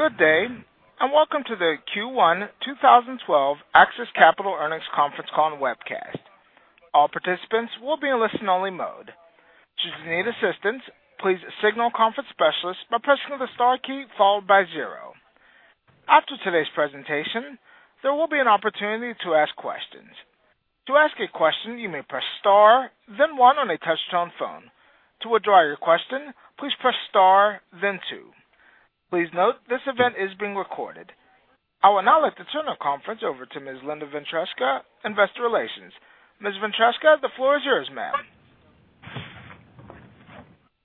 Good day, and welcome to the Q1 2012 AXIS Capital earnings conference call and webcast. All participants will be in listen only mode. Should you need assistance, please signal the conference specialist by pressing the star key followed by zero. After today's presentation, there will be an opportunity to ask questions. To ask a question, you may press star, then one on a touch-tone phone. To withdraw your question, please press star, then two. Please note, this event is being recorded. I will now like to turn our conference over to Ms. Linda Ventresca, Investor Relations. Ms. Ventresca, the floor is yours, ma'am.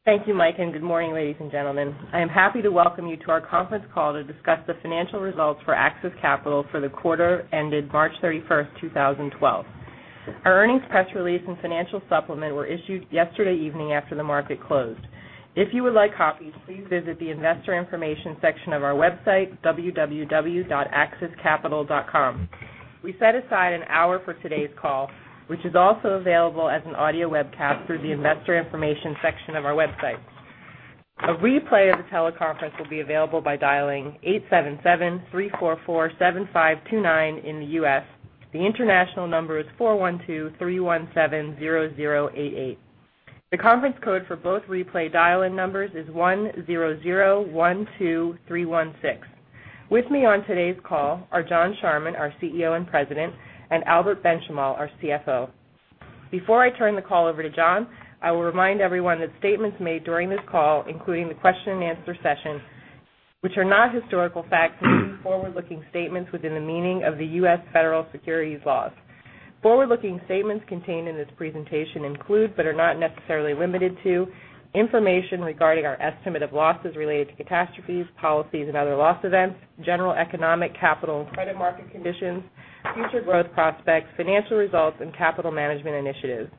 Thank you, Mike, good morning, ladies and gentlemen. I am happy to welcome you to our conference call to discuss the financial results for AXIS Capital for the quarter ended March 31st, 2012. Our earnings press release and financial supplement were issued yesterday evening after the market closed. If you would like copies, please visit the investor information section of our website, www.axiscapital.com. We set aside an hour for today's call, which is also available as an audio webcast through the investor information section of our website. A replay of the teleconference will be available by dialing 877-344-7529 in the U.S. The international number is 412-317-0088. The conference code for both replay dial-in numbers is 10012316. With me on today's call are John Charman, our CEO and President, and Albert Benchimol, our CFO. Before I turn the call over to John, I will remind everyone that statements made during this call, including the question and answer session, which are not historical facts, may be forward-looking statements within the meaning of the U.S. federal securities laws. Forward-looking statements contained in this presentation include, are not necessarily limited to, information regarding our estimate of losses related to catastrophes, policies and other loss events, general economic capital and credit market conditions, future growth prospects, financial results and capital management initiatives,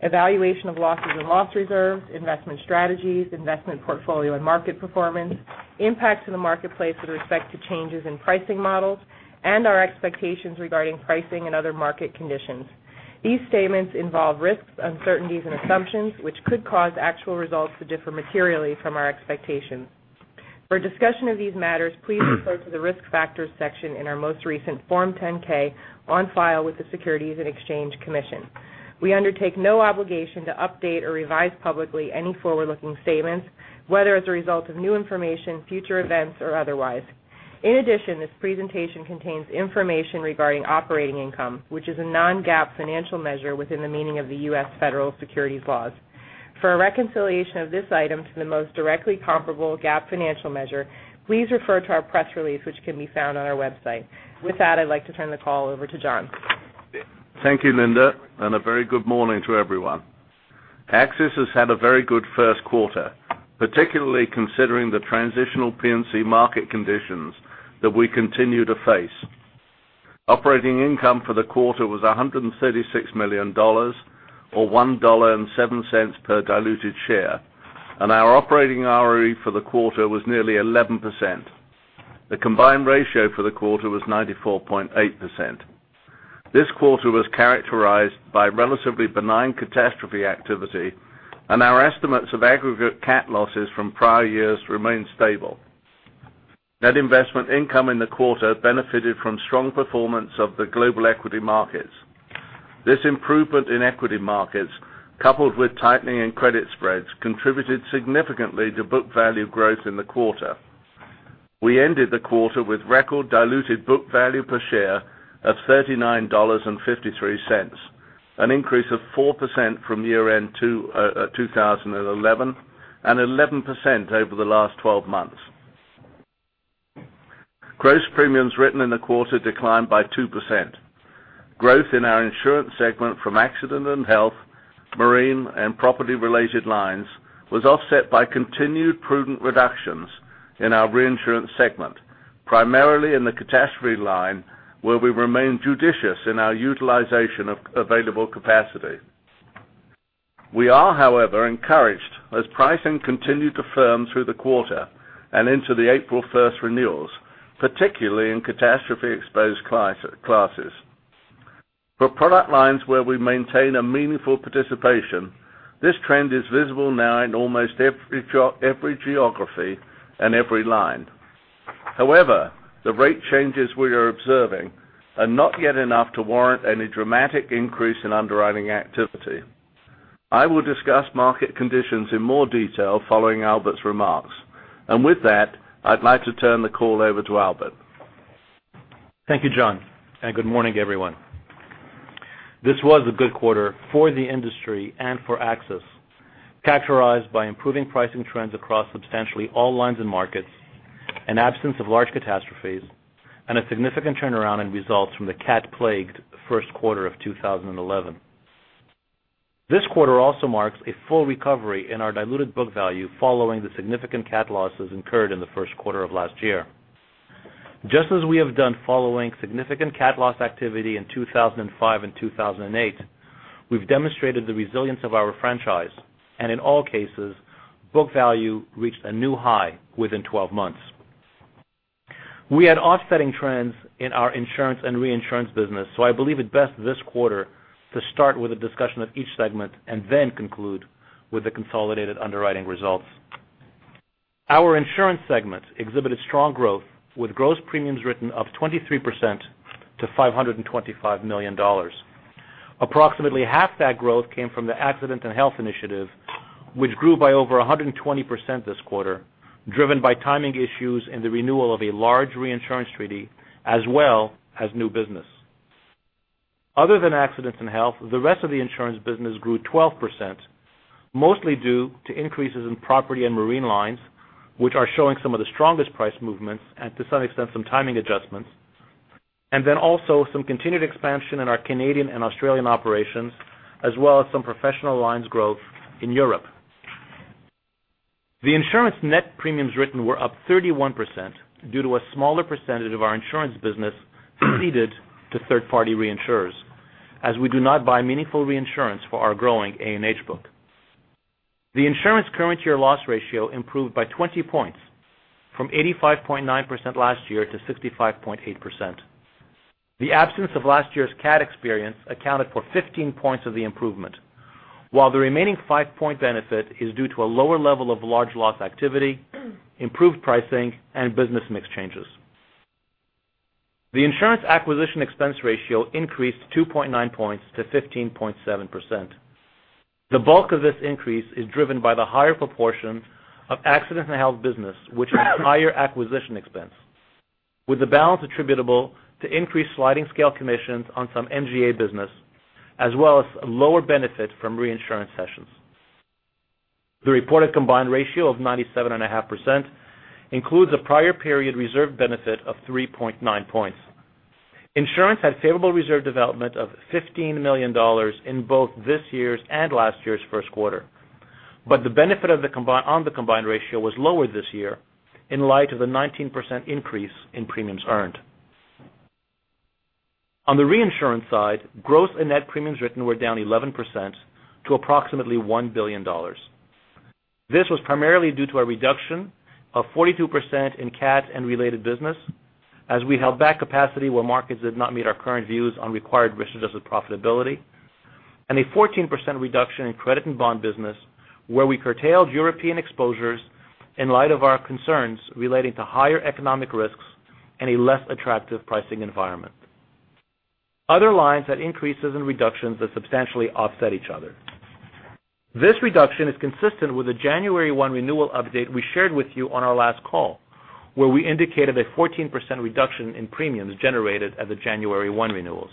evaluation of losses and loss reserves, investment strategies, investment portfolio and market performance, impacts in the marketplace with respect to changes in pricing models, and our expectations regarding pricing and other market conditions. These statements involve risks, uncertainties, and assumptions, which could cause actual results to differ materially from our expectations. For a discussion of these matters, please refer to the Risk Factors section in our most recent Form 10-K on file with the Securities and Exchange Commission. We undertake no obligation to update or revise publicly any forward-looking statements, whether as a result of new information, future events, or otherwise. In addition, this presentation contains information regarding operating income, which is a non-GAAP financial measure within the meaning of the U.S. federal securities laws. For a reconciliation of this item to the most directly comparable GAAP financial measure, please refer to our press release, which can be found on our website. With that, I'd like to turn the call over to John. Thank you, Linda, and a very good morning to everyone. AXIS has had a very good first quarter, particularly considering the transitional P&C market conditions that we continue to face. Operating income for the quarter was $136 million, or $1.07 per diluted share, and our operating ROE for the quarter was nearly 11%. The combined ratio for the quarter was 94.8%. This quarter was characterized by relatively benign catastrophe activity, and our estimates of aggregate cat losses from prior years remain stable. Net investment income in the quarter benefited from strong performance of the global equity markets. This improvement in equity markets, coupled with tightening in credit spreads, contributed significantly to book value growth in the quarter. We ended the quarter with record diluted book value per share of $39.53, an increase of 4% from year-end 2011, and 11% over the last 12 months. Gross premiums written in the quarter declined by 2%. Growth in our insurance segment from accident and health, marine, and property-related lines was offset by continued prudent reductions in our reinsurance segment, primarily in the catastrophe line where we remain judicious in our utilization of available capacity. We are, however, encouraged as pricing continued to firm through the quarter and into the April 1st renewals, particularly in catastrophe-exposed classes. For product lines where we maintain a meaningful participation, this trend is visible now in almost every geography and every line. However, the rate changes we are observing are not yet enough to warrant any dramatic increase in underwriting activity. I will discuss market conditions in more detail following Albert's remarks. With that, I'd like to turn the call over to Albert. Thank you, John, and good morning, everyone. This was a good quarter for the industry and for AXIS, characterized by improving pricing trends across substantially all lines and markets, an absence of large catastrophes, and a significant turnaround in results from the cat-plagued first quarter of 2011. This quarter also marks a full recovery in our diluted book value following the significant cat losses incurred in the first quarter of last year. Just as we have done following significant cat loss activity in 2005 and 2008, we've demonstrated the resilience of our franchise, and in all cases, book value reached a new high within 12 months. We had offsetting trends in our insurance and reinsurance business. I believe it best this quarter to start with a discussion of each segment and then conclude with the consolidated underwriting results. Our insurance segment exhibited strong growth, with gross premiums written up 23% to $525 million. Approximately half that growth came from the accident and health initiative, which grew by over 120% this quarter, driven by timing issues and the renewal of a large reinsurance treaty as well as new business. Other than accidents and health, the rest of the insurance business grew 12%, mostly due to increases in property and marine lines, which are showing some of the strongest price movements and to some extent, some timing adjustments, and then also some continued expansion in our Canadian and Australian operations, as well as some professional lines growth in Europe. The insurance net premiums written were up 31% due to a smaller percentage of our insurance business ceded to third-party reinsurers, as we do not buy meaningful reinsurance for our growing A&H book. The insurance current year loss ratio improved by 20 points, from 85.9% last year to 65.8%. The absence of last year's cat experience accounted for 15 points of the improvement, while the remaining five-point benefit is due to a lower level of large loss activity, improved pricing, and business mix changes. The insurance acquisition expense ratio increased 2.9 points to 15.7%. The bulk of this increase is driven by the higher proportion of accident and health business which has higher acquisition expense, with the balance attributable to increased sliding scale commissions on some MGA business, as well as lower benefit from reinsurance cessions. The reported combined ratio of 97.5% includes a prior period reserve benefit of 3.9 points. Insurance had favorable reserve development of $15 million in both this year's and last year's first quarter, but the benefit on the combined ratio was lower this year in light of the 19% increase in premiums earned. On the reinsurance side, gross and net premiums written were down 11% to approximately $1 billion. This was primarily due to a reduction of 42% in cat and related business, as we held back capacity where markets did not meet our current views on required return adjusted profitability, and a 14% reduction in credit and bond business where we curtailed European exposures in light of our concerns relating to higher economic risks and a less attractive pricing environment. Other lines had increases and reductions that substantially offset each other. This reduction is consistent with the January 1 renewal update we shared with you on our last call, where we indicated a 14% reduction in premiums generated at the January 1 renewals.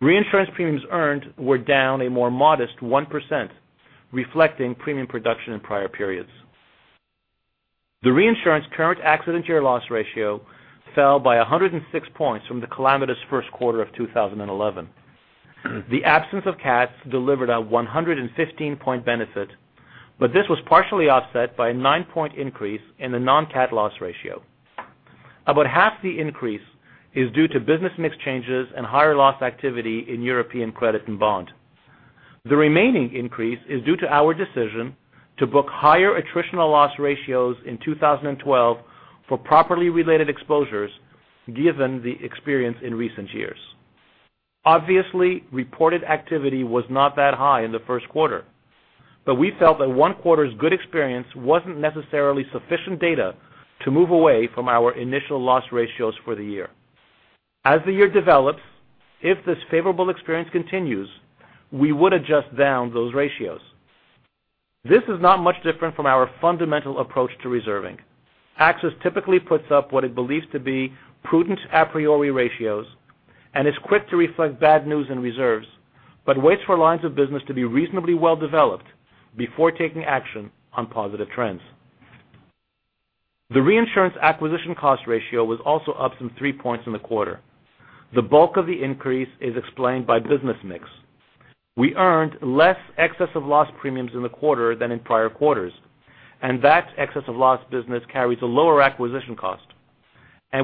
Reinsurance premiums earned were down a more modest 1%, reflecting premium production in prior periods. The reinsurance current accident year loss ratio fell by 106 points from the calamitous first quarter of 2011. The absence of cats delivered a 115-point benefit, but this was partially offset by a nine-point increase in the non-cat loss ratio. About half the increase is due to business mix changes and higher loss activity in European credit and bond. The remaining increase is due to our decision to book higher attritional loss ratios in 2012 for property-related exposures given the experience in recent years. Obviously, reported activity was not that high in the first quarter, but we felt that one quarter's good experience wasn't necessarily sufficient data to move away from our initial loss ratios for the year. As the year develops, if this favorable experience continues, we would adjust down those ratios. This is not much different from our fundamental approach to reserving. AXIS typically puts up what it believes to be prudent a priori ratios and is quick to reflect bad news in reserves, but waits for lines of business to be reasonably well-developed before taking action on positive trends. The reinsurance acquisition cost ratio was also up some three points in the quarter. The bulk of the increase is explained by business mix. We earned less excess of loss premiums in the quarter than in prior quarters, that excess of loss business carries a lower acquisition cost,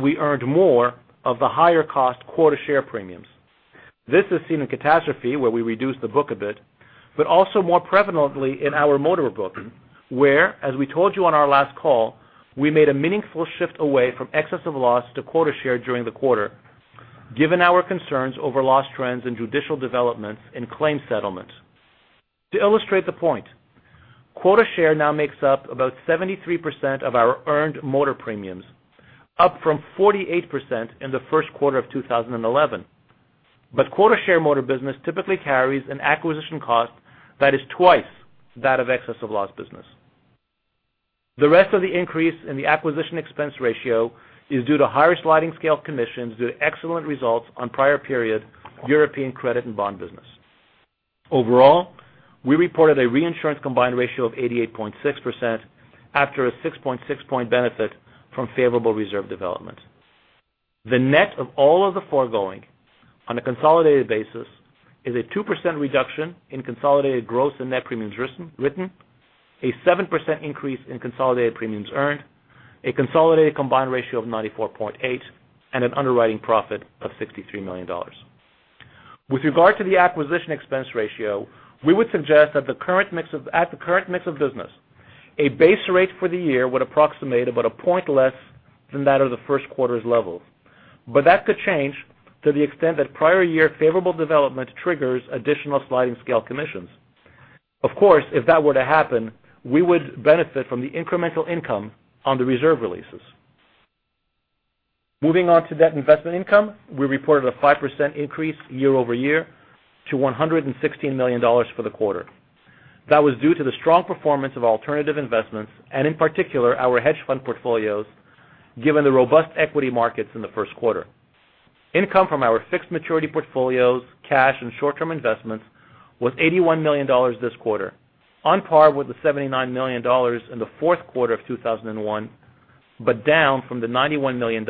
we earned more of the higher cost quota share premiums. This is seen in catastrophe, where we reduced the book a bit, also more prevalently in our motor book, where, as we told you on our last call, we made a meaningful shift away from excess of loss to quota share during the quarter given our concerns over loss trends and judicial developments in claim settlement. To illustrate the point, quota share now makes up about 73% of our earned motor premiums, up from 48% in the first quarter of 2011. Quota share motor business typically carries an acquisition cost that is twice that of excess of loss business. The rest of the increase in the acquisition expense ratio is due to higher sliding scale commissions due to excellent results on prior period European credit and bond business. Overall, we reported a reinsurance combined ratio of 88.6% after a 6.6 point benefit from favorable reserve development. The net of all of the foregoing on a consolidated basis is a 2% reduction in consolidated gross and net premiums written, a 7% increase in consolidated premiums earned, a consolidated combined ratio of 94.8, and an underwriting profit of $63 million. With regard to the acquisition expense ratio, we would suggest that at the current mix of business, a base rate for the year would approximate about a point less than that of the first quarter's level. That could change to the extent that prior year favorable development triggers additional sliding scale commissions. Of course, if that were to happen, we would benefit from the incremental income on the reserve releases. Moving on to net investment income, we reported a 5% increase year-over-year to $116 million for the quarter. That was due to the strong performance of alternative investments and in particular, our hedge fund portfolios, given the robust equity markets in the first quarter. Income from our fixed maturity portfolios, cash, and short-term investments was $81 million this quarter, on par with the $79 million in the fourth quarter of 2011, but down from the $91 million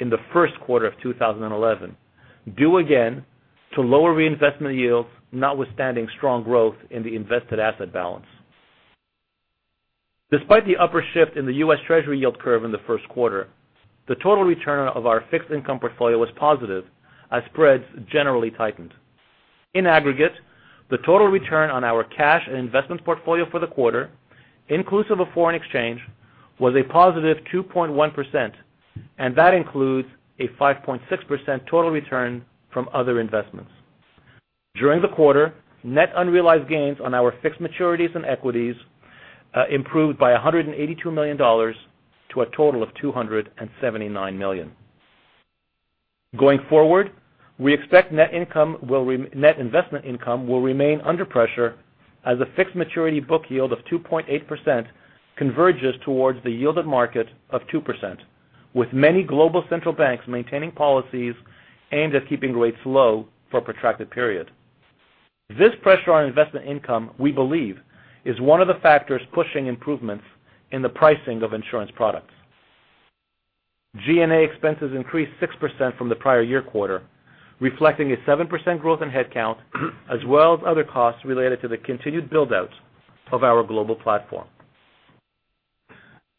in the first quarter of 2011, due again to lower reinvestment yields, notwithstanding strong growth in the invested asset balance. Despite the upward shift in the US Treasury yield curve in the first quarter, the total return of our fixed income portfolio was positive as spreads generally tightened. In aggregate, the total return on our cash and investments portfolio for the quarter, inclusive of foreign exchange, was a positive 2.1%, that includes a 5.6% total return from other investments. During the quarter, net unrealized gains on our fixed maturities and equities, improved by $182 million to a total of $279 million. Going forward, we expect net investment income will remain under pressure as a fixed maturity book yield of 2.8% converges towards the yielded market of 2%, with many global central banks maintaining policies aimed at keeping rates low for a protracted period. This pressure on investment income, we believe, is one of the factors pushing improvements in the pricing of insurance products. G&A expenses increased 6% from the prior year quarter, reflecting a 7% growth in headcount, as well as other costs related to the continued build-out of our global platform.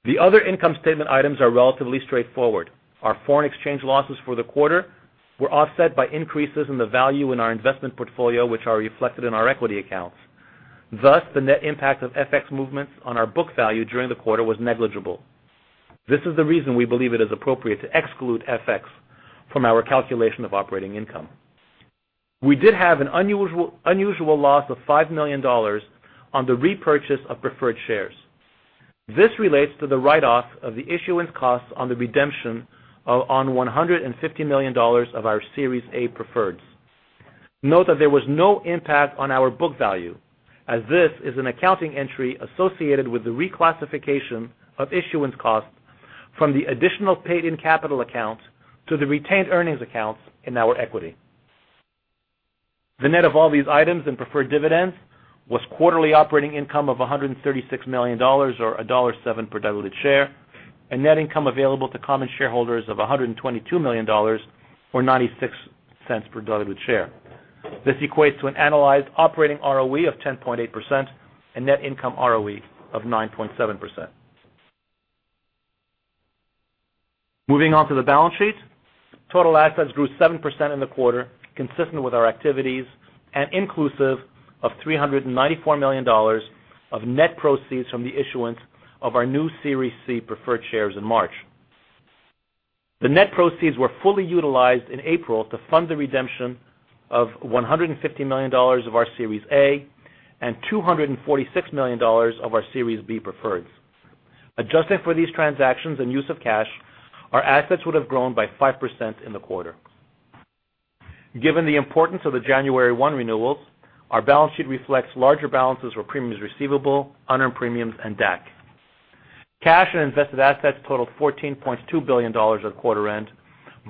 The other income statement items are relatively straightforward. Our foreign exchange losses for the quarter were offset by increases in the value in our investment portfolio, which are reflected in our equity accounts. Thus, the net impact of FX movements on our book value during the quarter was negligible. This is the reason we believe it is appropriate to exclude FX from our calculation of operating income. We did have an unusual loss of $5 million on the repurchase of preferred shares. This relates to the write-off of the issuance costs on the redemption on $150 million of our Series A preferreds. Note that there was no impact on our book value, as this is an accounting entry associated with the reclassification of issuance costs from the additional paid-in capital accounts to the retained earnings accounts in our equity. The net of all these items and preferred dividends was quarterly operating income of $136 million, or $1.07 per diluted share, and net income available to common shareholders of $122 million or $0.96 per diluted share. This equates to an annualized operating ROE of 10.8% and net income ROE of 9.7%. Moving on to the balance sheet. Total assets grew 7% in the quarter, consistent with our activities and inclusive of $394 million of net proceeds from the issuance of our new Series C preferred shares in March. The net proceeds were fully utilized in April to fund the redemption of $150 million of our Series A and $246 million of our Series B preferreds. Adjusting for these transactions and use of cash, our assets would have grown by 5% in the quarter. Given the importance of the January 1 renewals, our balance sheet reflects larger balances for premiums receivable, unearned premiums, and DAC. Cash and invested assets totaled $14.2 billion at quarter end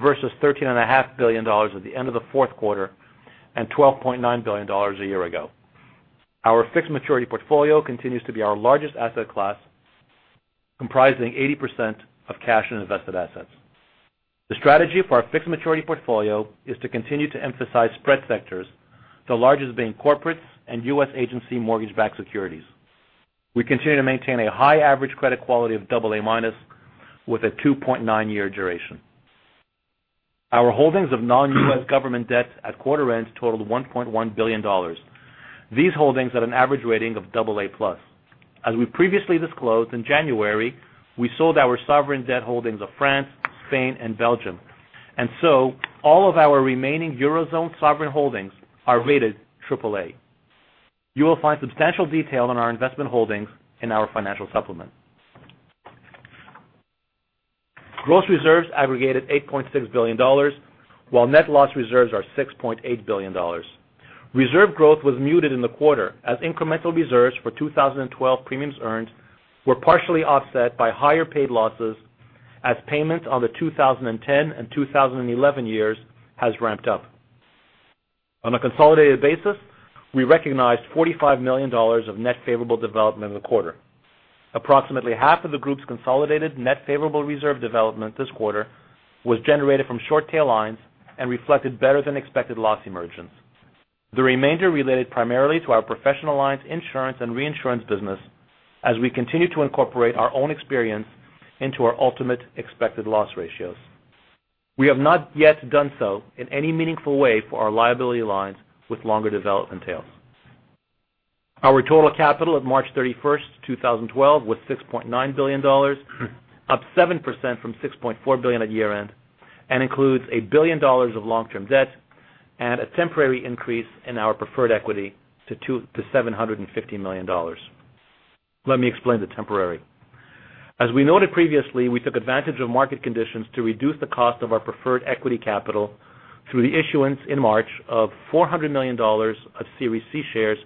versus $13.5 billion at the end of the fourth quarter and $12.9 billion a year ago. Our fixed maturity portfolio continues to be our largest asset class, comprising 80% of cash and invested assets. The strategy for our fixed maturity portfolio is to continue to emphasize spread sectors, the largest being corporates and U.S. agency mortgage-backed securities. We continue to maintain a high average credit quality of double A minus with a 2.9 year duration. Our holdings of non-U.S. government debt at quarter ends totaled $1.1 billion. These holdings at an average rating of double A plus. As we previously disclosed in January, we sold our sovereign debt holdings of France, Spain, and Belgium. All of our remaining Eurozone sovereign holdings are rated triple A. You will find substantial detail on our investment holdings in our financial supplement. Gross reserves aggregated $8.6 billion, while net loss reserves are $6.8 billion. Reserve growth was muted in the quarter as incremental reserves for 2012 premiums earned were partially offset by higher paid losses as payments on the 2010 and 2011 years has ramped up. On a consolidated basis, we recognized $45 million of net favorable development in the quarter. Approximately half of the group's consolidated net favorable reserve development this quarter was generated from short tail lines and reflected better than expected loss emergence. The remainder related primarily to our professional lines insurance and reinsurance business as we continue to incorporate our own experience into our ultimate expected loss ratios. We have not yet done so in any meaningful way for our liability lines with longer development tails. Our total capital at March 31st, 2012, was $6.9 billion, up 7% from $6.4 billion at year-end, and includes $1 billion of long-term debt and a temporary increase in our preferred equity to $750 million. Let me explain the temporary. As we noted previously, we took advantage of market conditions to reduce the cost of our preferred equity capital through the issuance in March of $400 million of Series C shares,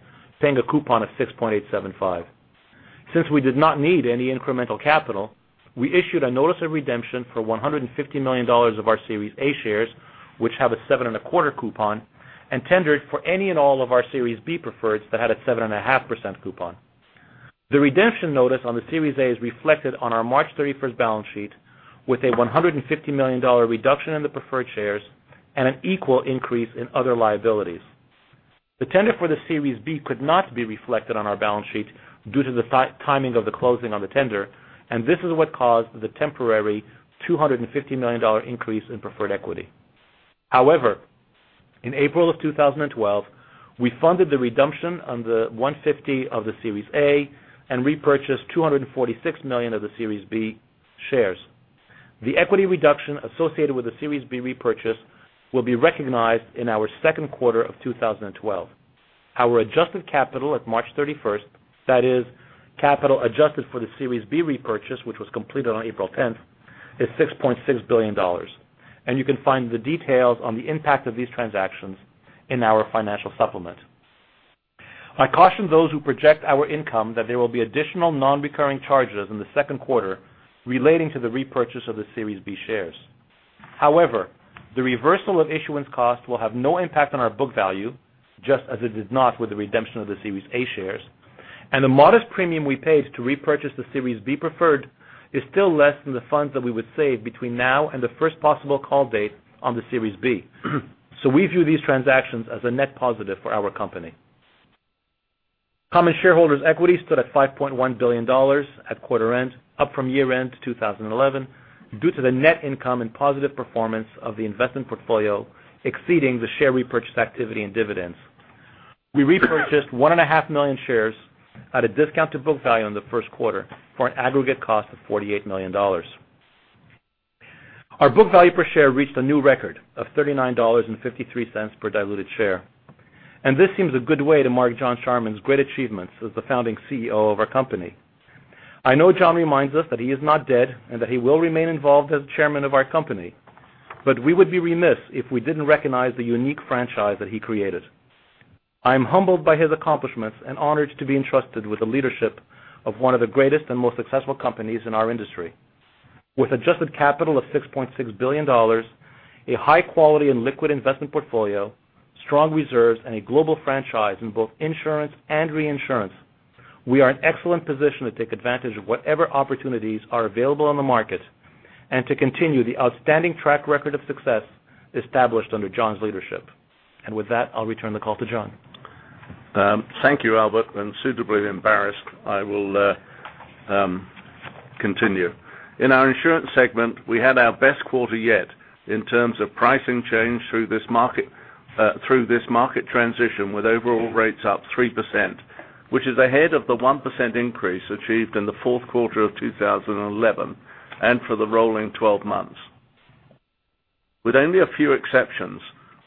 paying a coupon of 6.875%. Since we did not need any incremental capital, we issued a notice of redemption for $150 million of our Series A shares, which have a seven-and-a-quarter coupon, and tendered for any and all of our Series B preferreds that had a 7.5% coupon. The redemption notice on the Series A is reflected on our March 31st balance sheet with a $150 million reduction in the preferred shares and an equal increase in other liabilities. The tender for the Series B could not be reflected on our balance sheet due to the timing of the closing on the tender, and this is what caused the temporary $250 million increase in preferred equity. However, in April of 2012, we funded the redemption on the 150 of the Series A and repurchased $246 million of the Series B shares. The equity reduction associated with the Series B repurchase will be recognized in our second quarter of 2012. Our adjusted capital at March 31st, that is, capital adjusted for the Series B repurchase, which was completed on April 10th, is $6.6 billion. You can find the details on the impact of these transactions in our financial supplement. I caution those who project our income that there will be additional non-recurring charges in the second quarter relating to the repurchase of the Series B shares. However, the reversal of issuance costs will have no impact on our book value, just as it did not with the redemption of the Series A shares. The modest premium we paid to repurchase the Series B preferred is still less than the funds that we would save between now and the first possible call date on the Series B. We view these transactions as a net positive for our company. Common shareholders' equity stood at $5.1 billion at quarter end, up from year-end 2011, due to the net income and positive performance of the investment portfolio exceeding the share repurchase activity and dividends. We repurchased 1.5 million shares at a discount to book value in the first quarter for an aggregate cost of $48 million. Our book value per share reached a new record of $39.53 per diluted share. This seems a good way to mark John Charman's great achievements as the founding CEO of our company. I know John reminds us that he is not dead and that he will remain involved as Chairman of our company, but we would be remiss if we didn't recognize the unique franchise that he created. I am humbled by his accomplishments and honored to be entrusted with the leadership of one of the greatest and most successful companies in our industry. With adjusted capital of $6.6 billion, a high quality and liquid investment portfolio, strong reserves, and a global franchise in both insurance and reinsurance, we are in excellent position to take advantage of whatever opportunities are available on the market and to continue the outstanding track record of success established under John's leadership. With that, I'll return the call to John. Thank you, Albert, suitably embarrassed, I will continue. In our insurance segment, we had our best quarter yet in terms of pricing change through this market transition, with overall rates up 3%, which is ahead of the 1% increase achieved in the fourth quarter of 2011 and for the rolling 12 months. With only a few exceptions,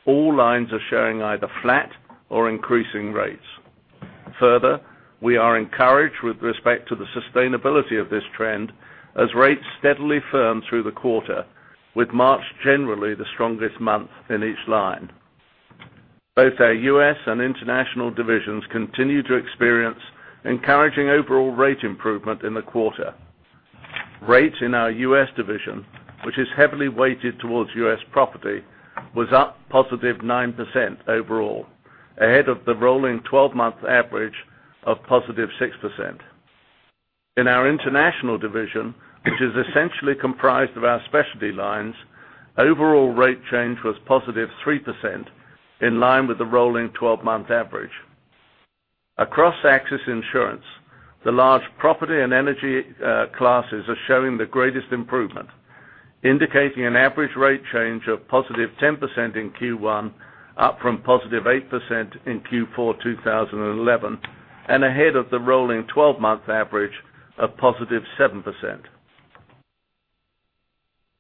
all lines are showing either flat or increasing rates. Further, we are encouraged with respect to the sustainability of this trend as rates steadily firmed through the quarter, with March generally the strongest month in each line. Both our U.S. and international divisions continue to experience encouraging overall rate improvement in the quarter. Rates in our U.S. division, which is heavily weighted towards U.S. property, was up positive 9% overall, ahead of the rolling 12-month average of positive 6%. In our international division, which is essentially comprised of our specialty lines, overall rate change was positive 3%, in line with the rolling 12-month average. Across AXIS insurance, the large property and energy classes are showing the greatest improvement, indicating an average rate change of positive 10% in Q1, up from positive 8% in Q4 2011, ahead of the rolling 12-month average of positive 7%.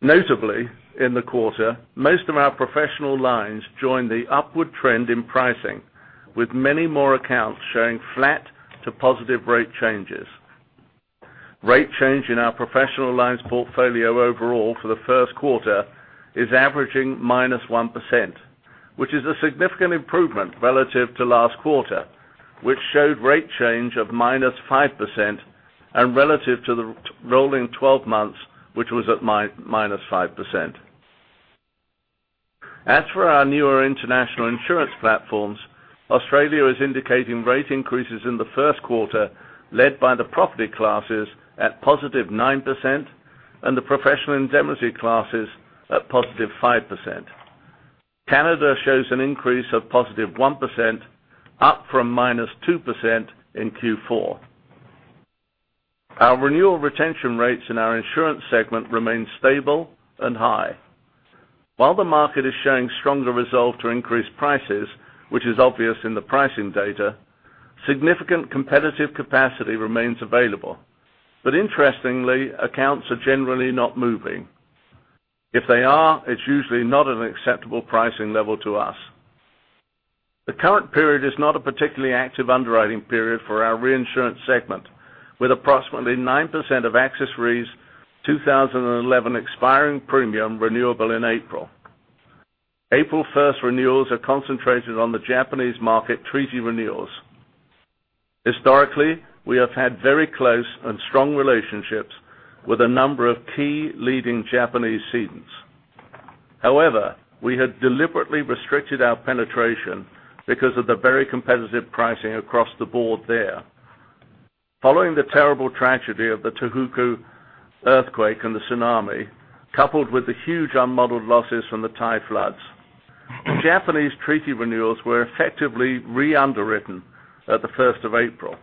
Notably, in the quarter, most of our professional lines joined the upward trend in pricing, with many more accounts showing flat to positive rate changes. Rate change in our professional lines portfolio overall for the first quarter is averaging minus 1%, which is a significant improvement relative to last quarter, which showed rate change of minus 5% relative to the rolling 12 months, which was at minus 5%. As for our newer international insurance platforms, Australia is indicating rate increases in the first quarter, led by the property classes at positive 9%. The professional indemnity classes at positive 5%. Canada shows an increase of positive 1%, up from -2% in Q4. Our renewal retention rates in our insurance segment remain stable and high. While the market is showing stronger resolve to increase prices, which is obvious in the pricing data, significant competitive capacity remains available. Interestingly, accounts are generally not moving. If they are, it's usually not an acceptable pricing level to us. The current period is not a particularly active underwriting period for our reinsurance segment, with approximately 9% of AXIS Re's 2011 expiring premium renewable in April. April 1st renewals are concentrated on the Japanese market treaty renewals. Historically, we have had very close and strong relationships with a number of key leading Japanese cedents. However, we had deliberately restricted our penetration because of the very competitive pricing across the board there. Following the terrible tragedy of the Tohoku earthquake and the tsunami, coupled with the huge unmodeled losses from the Thai floods, the Japanese treaty renewals were effectively re-underwritten at the 1st of April.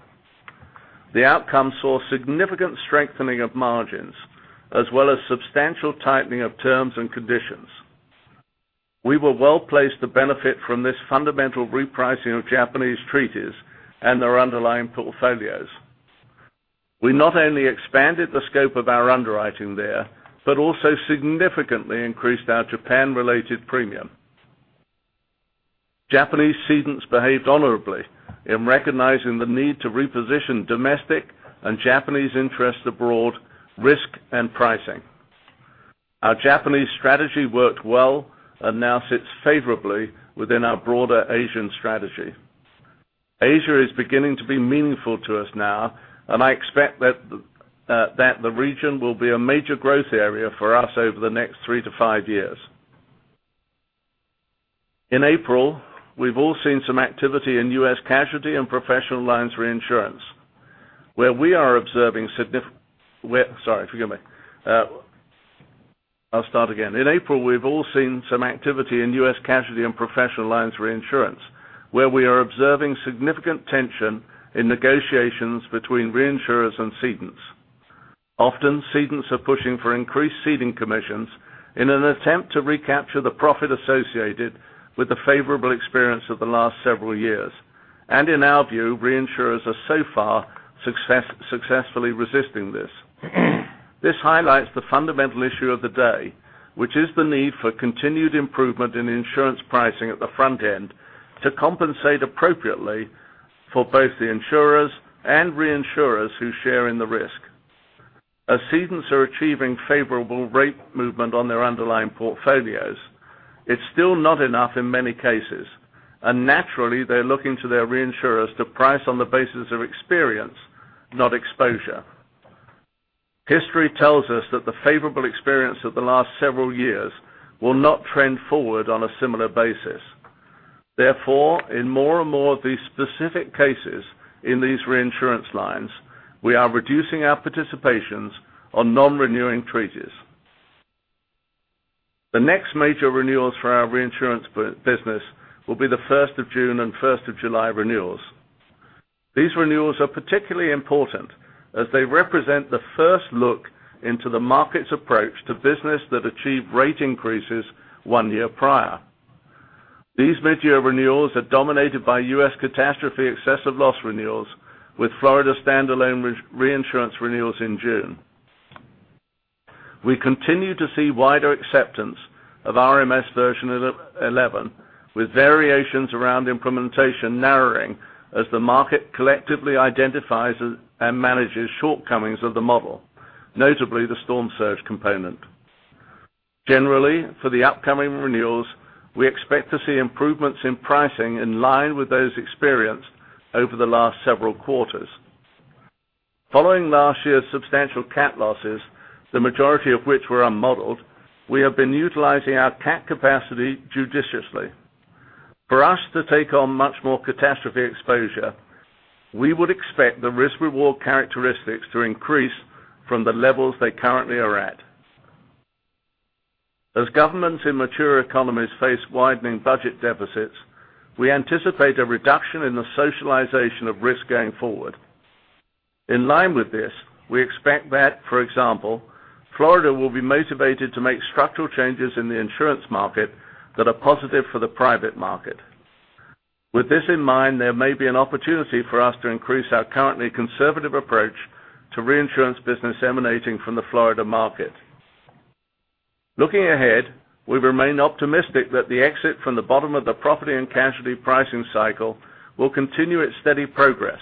The outcome saw significant strengthening of margins, as well as substantial tightening of terms and conditions. We were well-placed to benefit from this fundamental repricing of Japanese treaties and their underlying portfolios. We not only expanded the scope of our underwriting there, but also significantly increased our Japan-related premium. Japanese cedents behaved honorably in recognizing the need to reposition domestic and Japanese interests abroad, risk and pricing. Our Japanese strategy worked well and now sits favorably within our broader Asian strategy. Asia is beginning to be meaningful to us now. I expect that the region will be a major growth area for us over the next three to five years. In April, we've all seen some activity in U.S. casualty and professional lines reinsurance, where we are observing significant tension in negotiations between reinsurers and cedents. Often, cedents are pushing for increased ceding commissions in an attempt to recapture the profit associated with the favorable experience of the last several years. In our view, reinsurers are so far successfully resisting this. This highlights the fundamental issue of the day, which is the need for continued improvement in insurance pricing at the front end to compensate appropriately for both the insurers and reinsurers who share in the risk. As cedents are achieving favorable rate movement on their underlying portfolios, it's still not enough in many cases. Naturally, they're looking to their reinsurers to price on the basis of experience, not exposure. History tells us that the favorable experience of the last several years will not trend forward on a similar basis. Therefore, in more and more of these specific cases in these reinsurance lines, we are reducing our participations on non-renewing treaties. The next major renewals for our reinsurance business will be the 1st of June and 1st of July renewals. These renewals are particularly important as they represent the first look into the market's approach to business that achieved rate increases one year prior. These mid-year renewals are dominated by U.S. catastrophe excessive loss renewals, with Florida standalone reinsurance renewals in June. We continue to see wider acceptance of RMS version 11, with variations around implementation narrowing as the market collectively identifies and manages shortcomings of the model, notably the storm surge component. Generally, for the upcoming renewals, we expect to see improvements in pricing in line with those experienced over the last several quarters. Following last year's substantial cat losses, the majority of which were unmodeled, we have been utilizing our cat capacity judiciously. For us to take on much more catastrophe exposure, we would expect the risk-reward characteristics to increase from the levels they currently are at. As governments in mature economies face widening budget deficits, we anticipate a reduction in the socialization of risk going forward. In line with this, we expect that, for example, Florida will be motivated to make structural changes in the insurance market that are positive for the private market. With this in mind, there may be an opportunity for us to increase our currently conservative approach to reinsurance business emanating from the Florida market. Looking ahead, we remain optimistic that the exit from the bottom of the property and casualty pricing cycle will continue its steady progress.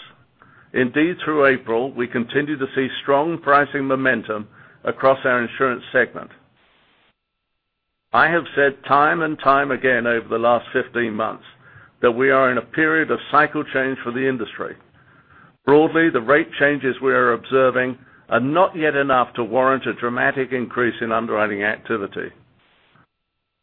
Indeed, through April, we continue to see strong pricing momentum across our insurance segment. I have said time and time again over the last 15 months that we are in a period of cycle change for the industry. Broadly, the rate changes we are observing are not yet enough to warrant a dramatic increase in underwriting activity.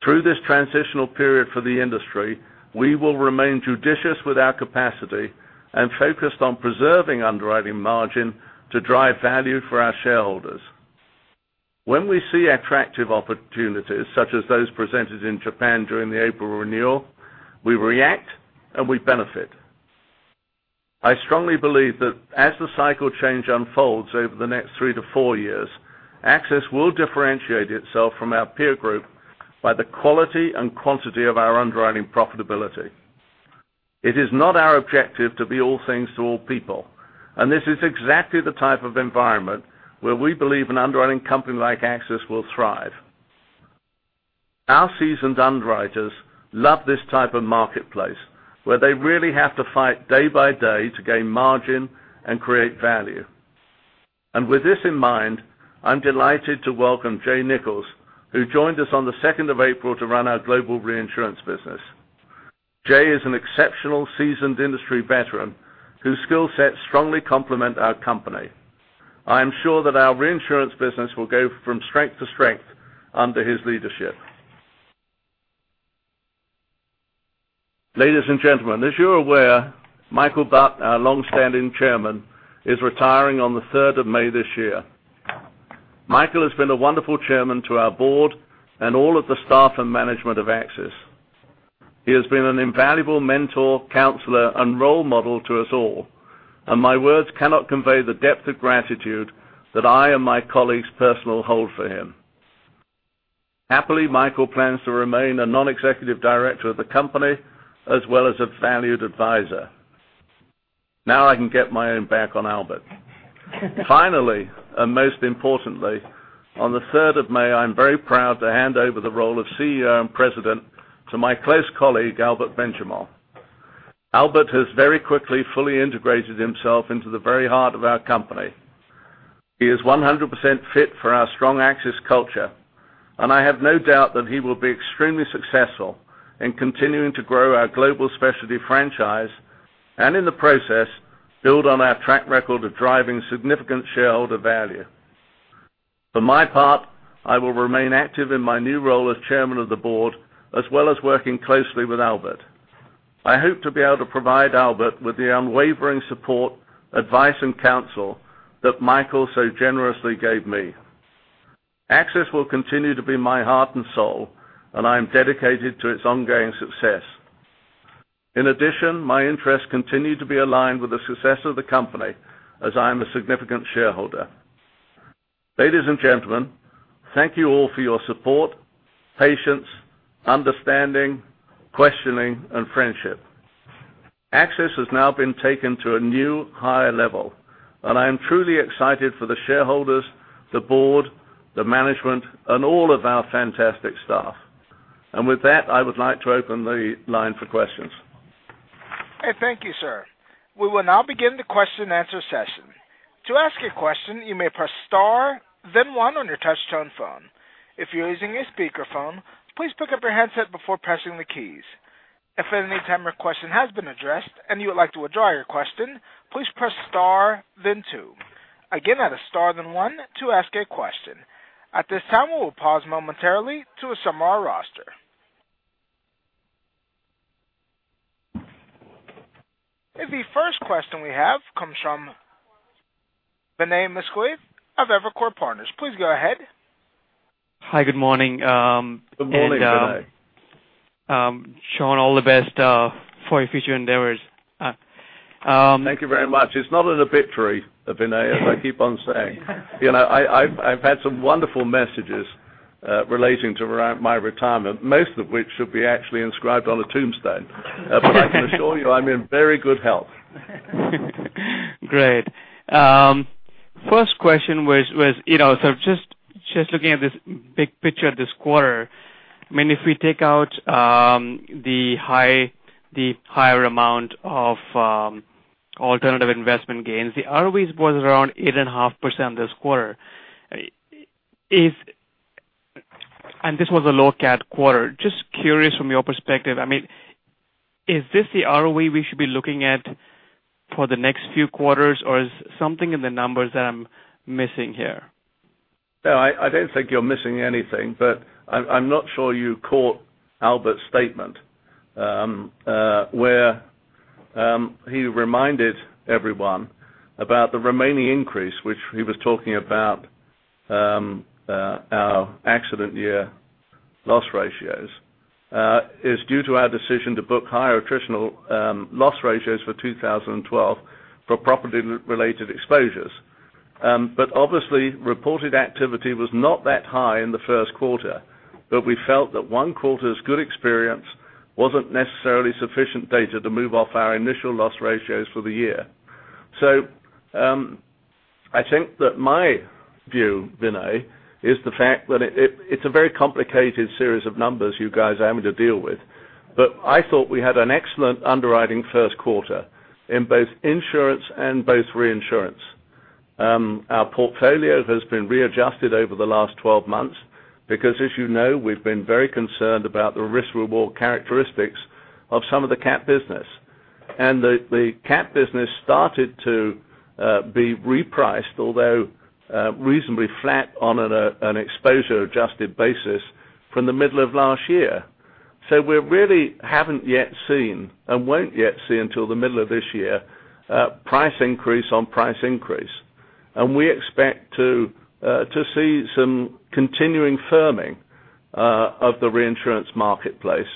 Through this transitional period for the industry, we will remain judicious with our capacity and focused on preserving underwriting margin to drive value for our shareholders. When we see attractive opportunities, such as those presented in Japan during the April renewal, we react, and we benefit. I strongly believe that as the cycle change unfolds over the next three to four years, AXIS will differentiate itself from our peer group by the quality and quantity of our underwriting profitability. This is exactly the type of environment where we believe an underwriting company like AXIS will thrive. Our seasoned underwriters love this type of marketplace, where they really have to fight day by day to gain margin and create value. With this in mind, I'm delighted to welcome Jay Nichols, who joined us on the 2nd of April to run our global reinsurance business. Jay is an exceptional seasoned industry veteran whose skill set strongly complement our company. I am sure that our reinsurance business will go from strength to strength under his leadership. Ladies and gentlemen, as you're aware, Michael Butt, our longstanding Chairman, is retiring on the 3rd of May this year. Michael has been a wonderful Chairman to our board and all of the staff and management of AXIS. He has been an invaluable mentor, counselor, and role model to us all, My words cannot convey the depth of gratitude that I and my colleagues personally hold for him. Happily, Michael plans to remain a non-executive director of the company, as well as a valued advisor. Now I can get my own back on Albert. Finally, Most importantly, on the 3rd of May, I'm very proud to hand over the role of CEO and President to my close colleague, Albert Benchimol. Albert has very quickly fully integrated himself into the very heart of our company. He is 100% fit for our strong AXIS culture, I have no doubt that he will be extremely successful in continuing to grow our global specialty franchise, In the process, build on our track record of driving significant shareholder value. For my part, I will remain active in my new role as Chairman of the Board, as well as working closely with Albert. I hope to be able to provide Albert with the unwavering support, advice, and counsel that Michael so generously gave me. AXIS will continue to be my heart and soul, and I am dedicated to its ongoing success. In addition, my interests continue to be aligned with the success of the company, as I am a significant shareholder. Ladies and gentlemen, thank you all for your support, patience, understanding, questioning, and friendship. AXIS has now been taken to a new higher level, and I am truly excited for the shareholders, the board, the management, and all of our fantastic staff. With that, I would like to open the line for questions. Okay. Thank you, sir. We will now begin the question and answer session. To ask a question, you may press star then one on your touchtone phone. If you're using a speakerphone, please pick up your handset before pressing the keys. If at any time your question has been addressed and you would like to withdraw your question, please press star then two. Again, add a star then one to ask a question. At this time, we will pause momentarily to assemble our roster. The first question we have comes from Vinay Misquith of Evercore Partners. Please go ahead. Hi. Good morning. Good morning, Vinay. John, all the best for your future endeavors. Thank you very much. It's not an obituary, Vinay, as I keep on saying. I've had some wonderful messages relating to my retirement, most of which should be actually inscribed on a tombstone. I can assure you, I'm in very good health. Great. First question was, just looking at this big picture this quarter, if we take out the higher amount of alternative investment gains, the ROEs was around 8.5% this quarter. This was a low cat quarter. Just curious from your perspective, is this the ROE we should be looking at for the next few quarters, or is something in the numbers that I'm missing here? No, I don't think you're missing anything, but I'm not sure you caught Albert's statement, where he reminded everyone about the remaining increase, which he was talking about our accident year loss ratios, is due to our decision to book higher attritional loss ratios for 2012 for property related exposures. Obviously, reported activity was not that high in the first quarter, but we felt that one quarter's good experience wasn't necessarily sufficient data to move off our initial loss ratios for the year. I think that my view, Vinay, is the fact that it's a very complicated series of numbers you guys are having to deal with. I thought we had an excellent underwriting first quarter in both insurance and both reinsurance. Our portfolio has been readjusted over the last 12 months because, as you know, we've been very concerned about the risk reward characteristics of some of the cat business. The cat business started to be repriced, although reasonably flat on an exposure-adjusted basis from the middle of last year. We really haven't yet seen, and won't yet see until the middle of this year, price increase on price increase. We expect to see some continuing firming of the reinsurance marketplace,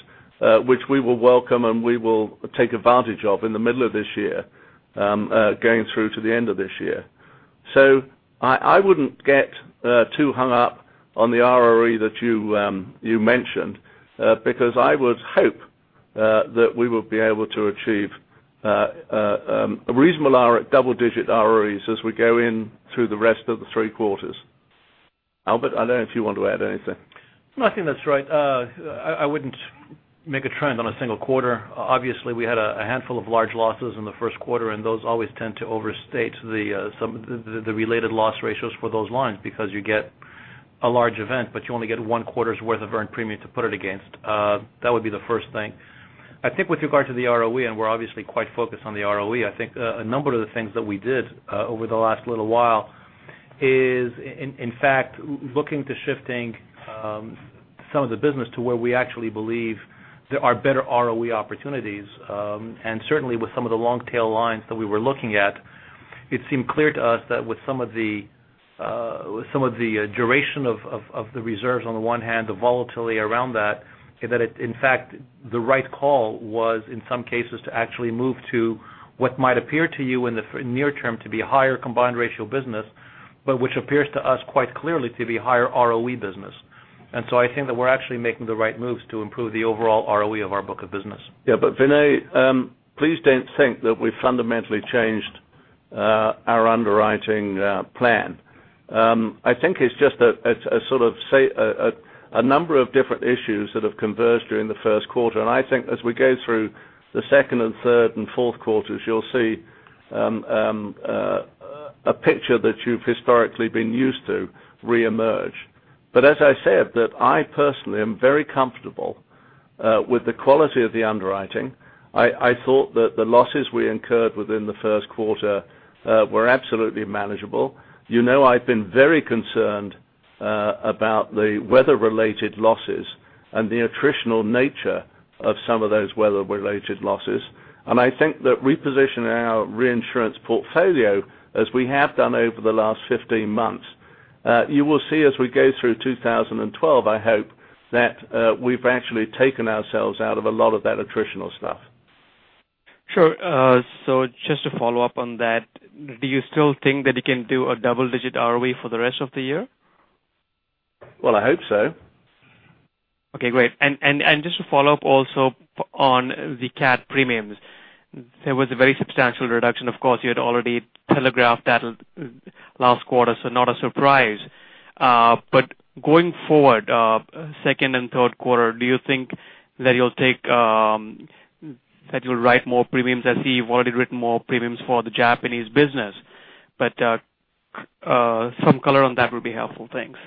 which we will welcome and we will take advantage of in the middle of this year, going through to the end of this year. I wouldn't get too hung up on the ROE that you mentioned, because I would hope that we will be able to achieve a reasonable double-digit ROEs as we go in through the rest of the three quarters. Albert, I don't know if you want to add anything. No, I think that's right. I wouldn't make a trend on a single quarter. Obviously, we had a handful of large losses in the first quarter, and those always tend to overstate the related loss ratios for those lines because you get a large event, but you only get one quarter's worth of earned premium to put it against. That would be the first thing. I think with regard to the ROE, and we're obviously quite focused on the ROE, I think a number of the things that we did over the last little while is, in fact, looking to shifting some of the business to where we actually believe there are better ROE opportunities. Certainly, with some of the long-tail lines that we were looking at, it seemed clear to us that with some of the duration of the reserves on the one hand, the volatility around that in fact, the right call was, in some cases, to actually move to what might appear to you in the near term to be a higher combined ratio business, but which appears to us quite clearly to be higher ROE business. I think that we're actually making the right moves to improve the overall ROE of our book of business. Yeah. Vinay, please don't think that we fundamentally changed our underwriting plan. I think it's just a number of different issues that have converged during the first quarter. I think as we go through the second and third and fourth quarters, you'll see a picture that you've historically been used to reemerge. As I said that I personally am very comfortable with the quality of the underwriting. I thought that the losses we incurred within the first quarter were absolutely manageable. You know I've been very concerned about the weather-related losses and the attritional nature of some of those weather-related losses. I think that repositioning our reinsurance portfolio as we have done over the last 15 months, you will see as we go through 2012, I hope that we've actually taken ourselves out of a lot of that attritional stuff. Sure. Just to follow up on that, do you still think that you can do a double-digit ROE for the rest of the year? Well, I hope so. Okay, great. Just to follow up also on the cat premiums, there was a very substantial reduction. Of course, you had already telegraphed that last quarter, so not a surprise. Going forward, second and third quarter, do you think that you'll write more premiums as you've already written more premiums for the Japanese business? Some color on that would be helpful. Thanks.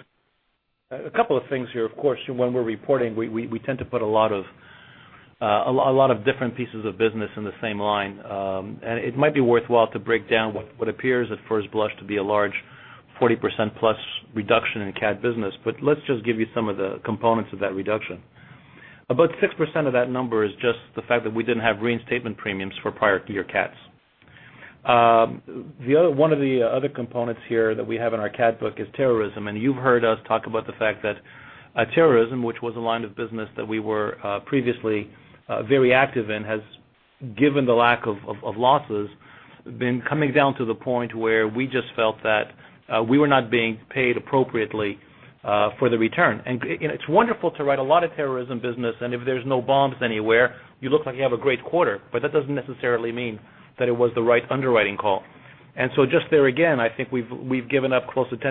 A couple of things here. Of course, when we're reporting, we tend to put a lot of different pieces of business in the same line. It might be worthwhile to break down what appears at first blush to be a large 40%-plus reduction in cat business. Let's just give you some of the components of that reduction. About 6% of that number is just the fact that we didn't have reinstatement premiums for prior year cats. One of the other components here that we have in our cat book is terrorism. You've heard us talk about the fact that terrorism, which was a line of business that we were previously very active in, has, given the lack of losses, been coming down to the point where we just felt that we were not being paid appropriately for the return. It's wonderful to write a lot of terrorism business, and if there's no bombs anywhere, you look like you have a great quarter, but that doesn't necessarily mean that it was the right underwriting call. Just there, again, I think we've given up close to $10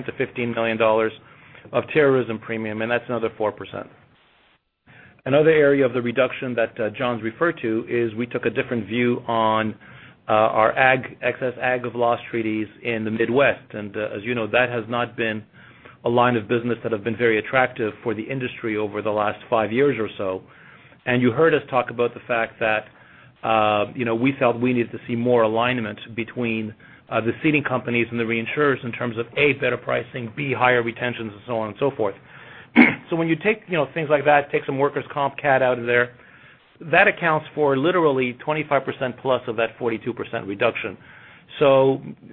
million to $15 million of terrorism premium, and that's another 4%. Another area of the reduction that John's referred to is we took a different view on our excess aggregate of loss treaties in the Midwest. As you know, that has not been a line of business that have been very attractive for the industry over the last five years or so. You heard us talk about the fact that we felt we needed to see more alignment between the ceding companies and the reinsurers in terms of, A, better pricing, B, higher retentions, and so on and so forth. When you take things like that, take some workers' comp cat out of there, that accounts for literally 25%-plus of that 42% reduction.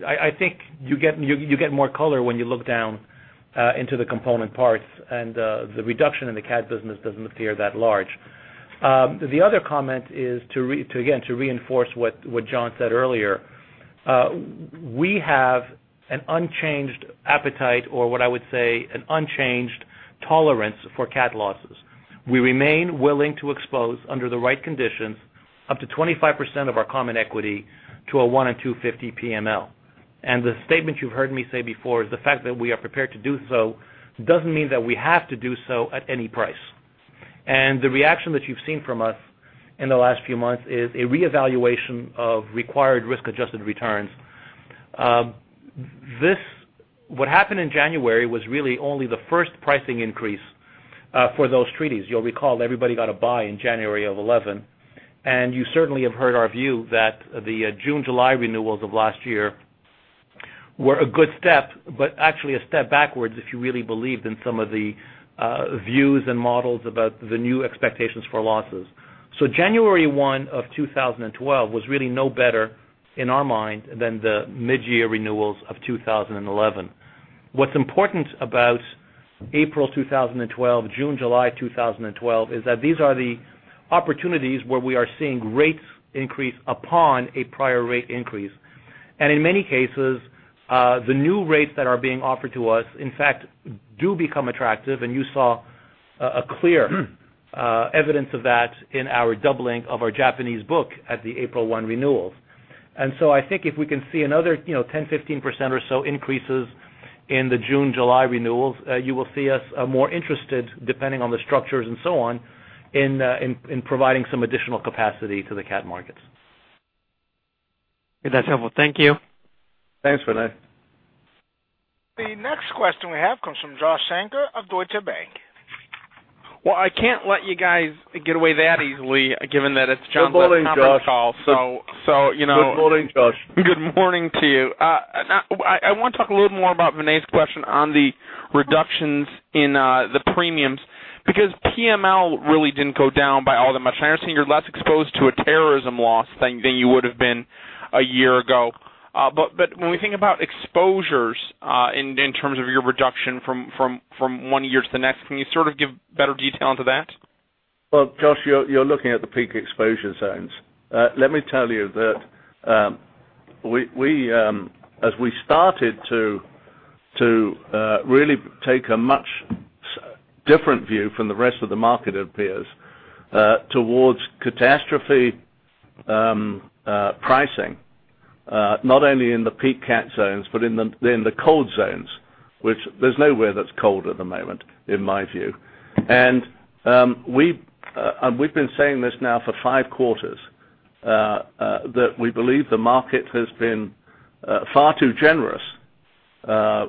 I think you get more color when you look down into the component parts and the reduction in the cat business doesn't appear that large. The other comment is, again, to reinforce what John said earlier. We have an unchanged appetite or what I would say an unchanged tolerance for cat losses. We remain willing to expose under the right conditions up to 25% of our common equity to a one and 250 PML. The statement you've heard me say before is the fact that we are prepared to do so doesn't mean that we have to do so at any price. The reaction that you've seen from us in the last few months is a reevaluation of required risk-adjusted returns. What happened in January was really only the first pricing increase for those treaties. You'll recall everybody got a buy in January of 2011. You certainly have heard our view that the June, July renewals of last year were a good step, but actually a step backwards if you really believed in some of the views and models about the new expectations for losses. January one of 2012 was really no better, in our mind, than the mid-year renewals of 2011. What's important about April 2012, June, July 2012, is that these are the opportunities where we are seeing rates increase upon a prior rate increase. In many cases, the new rates that are being offered to us, in fact, do become attractive. You saw a clear evidence of that in our doubling of our Japanese book at the April 1 renewals. I think if we can see another 10, 15% or so increases in the June, July renewals, you will see us more interested, depending on the structures and so on, in providing some additional capacity to the cat markets. That's helpful. Thank you. Thanks, Vinay. The next question we have comes from Josh Shanker of Deutsche Bank. Well, I can't let you guys get away that easily, given that it's John's last conference call. Good morning, Josh. Good morning to you. I want to talk a little more about Vinay's question on the reductions in the premiums because PML really didn't go down by all that much. I understand you're less exposed to a terrorism loss than you would have been a year ago. When we think about exposures in terms of your reduction from one year to the next, can you give better detail into that? Well, Josh, you're looking at the peak exposure zones. Let me tell you that as we started to really take a much different view from the rest of the market peers towards catastrophe pricing not only in the peak cat zones but in the cold zones, which there's nowhere that's cold at the moment, in my view. We've been saying this now for five quarters that we believe the market has been far too generous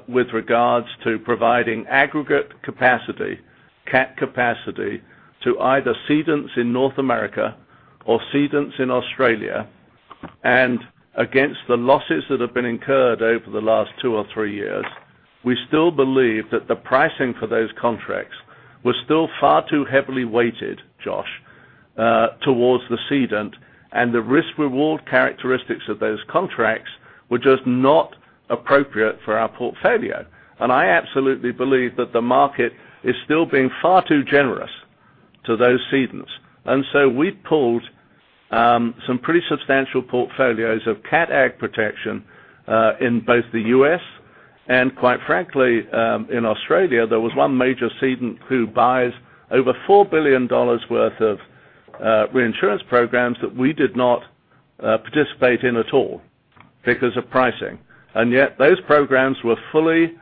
with regards to providing aggregate capacity, cat capacity to either cedents in North America or cedents in Australia. Against the losses that have been incurred over the last two or three years, we still believe that the pricing for those contracts was still far too heavily weighted, Josh, towards the cedent and the risk-reward characteristics of those contracts were just not appropriate for our portfolio. I absolutely believe that the market is still being far too generous to those cedents. We pulled some pretty substantial portfolios of cat ag protection in both the U.S. and quite frankly, in Australia. There was one major cedent who buys over $4 billion worth of reinsurance programs that we did not participate in at all because of pricing. Those programs were fully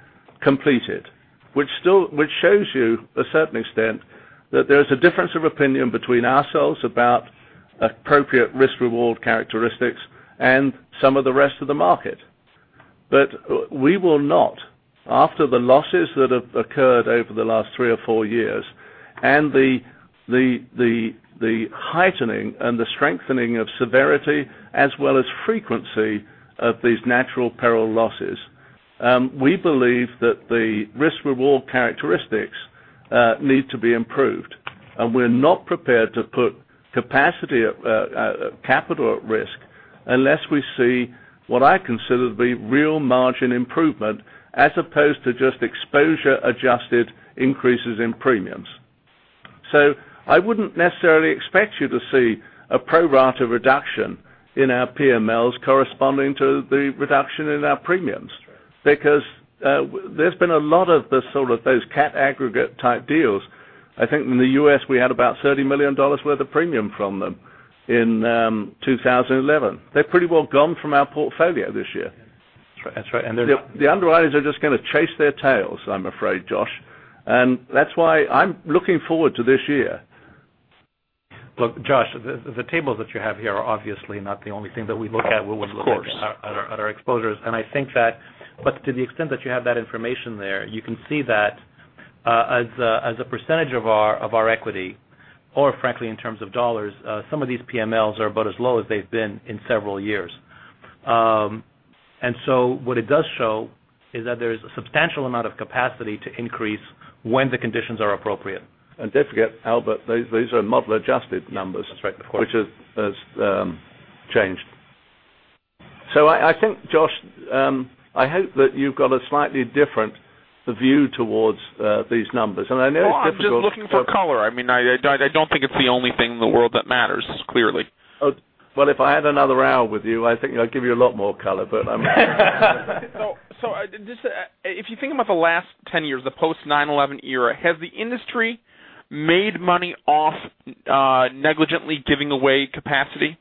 completed. Which shows you a certain extent that there is a difference of opinion between ourselves about appropriate risk-reward characteristics and some of the rest of the market. We will not, after the losses that have occurred over the last three or four years and the heightening and the strengthening of severity as well as frequency of these natural peril losses. We believe that the risk-reward characteristics need to be improved. We're not prepared to put capital at risk unless we see what I consider to be real margin improvement as opposed to just exposure-adjusted increases in premiums. I wouldn't necessarily expect you to see a pro rata reduction in our PMLs corresponding to the reduction in our premiums because there's been a lot of those cat aggregate type deals. I think in the U.S. we had about $30 million worth of premium from them in 2011. They're pretty well gone from our portfolio this year. That's right. The underwriters are just going to chase their tails, I'm afraid, Josh. That's why I'm looking forward to this year. Look, Josh, the tables that you have here are obviously not the only thing that we look at when we look at. Of course. Our exposures. To the extent that you have that information there, you can see that as a percentage of our equity, or frankly in terms of $, some of these PMLs are about as low as they've been in several years. What it does show is that there is a substantial amount of capacity to increase when the conditions are appropriate. Don't forget, Albert, these are model-adjusted numbers. That's right. Of course. Which has changed. I think, Josh, I hope that you've got a slightly different view towards these numbers. I know it's difficult. I'm just looking for color. I don't think it's the only thing in the world that matters, clearly. Well, if I had another hour with you, I think I'd give you a lot more color. Just if you think about the last 10 years, the post-9/11 era, has the industry made money off negligently giving away capacity?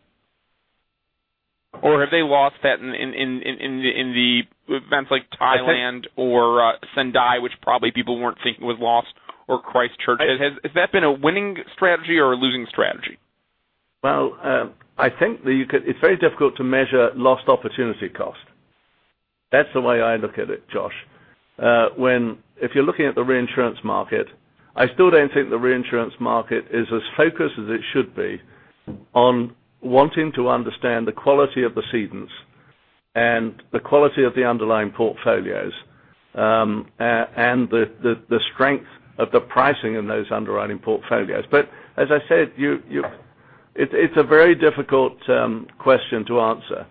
Or have they lost that in the events like Thailand or Sendai, which probably people weren't thinking was lost, or Christchurch? Has that been a winning strategy or a losing strategy? Well, I think it's very difficult to measure lost opportunity cost. That's the way I look at it, Josh. If you're looking at the reinsurance market, I still don't think the reinsurance market is as focused as it should be on wanting to understand the quality of the cedents and the quality of the underlying portfolios, and the strength of the pricing in those underwriting portfolios. As I said, it's a very difficult question to answer.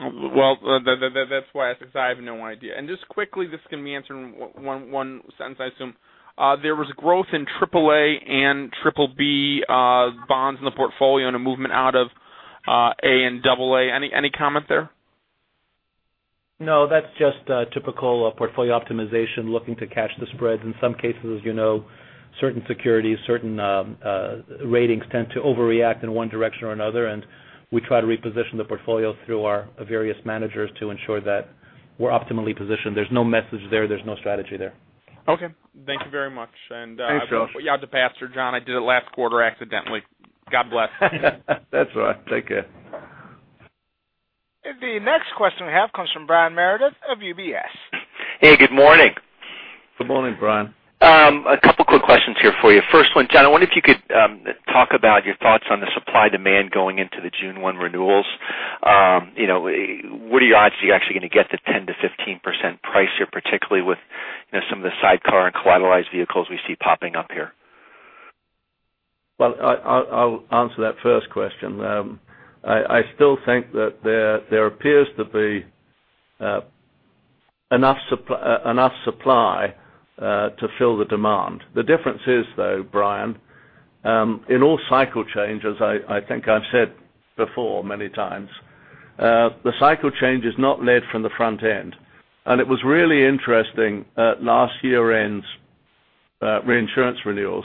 Well, that's why I said so. I have no idea. Just quickly, this can be answered in one sentence, I assume. There was growth in AAA and BBB bonds in the portfolio and a movement out of A and AA. Any comment there? No, that's just typical portfolio optimization, looking to catch the spreads. In some cases, certain securities, certain ratings tend to overreact in one direction or another, and we try to reposition the portfolio through our various managers to ensure that we're optimally positioned. There's no message there's no strategy there. Okay. Thank you very much. Thanks, Josh. I'll put you out to pasture, John. I did it last quarter accidentally. God bless. That's all right. Take care. The next question we have comes from Brian Meredith of UBS. Hey, good morning. Good morning, Brian. A couple of quick questions here for you. First one, John, I wonder if you could talk about your thoughts on the supply demand going into the June 1 renewals. What are the odds that you're actually going to get the 10%-15% price here, particularly with some of the side car and collateralized vehicles we see popping up here? Well, I'll answer that first question. I still think that there appears to be enough supply to fill the demand. The difference is, though, Brian, in all cycle changes, I think I've said before many times, the cycle change is not led from the front end. It was really interesting at last year-end reinsurance renewals.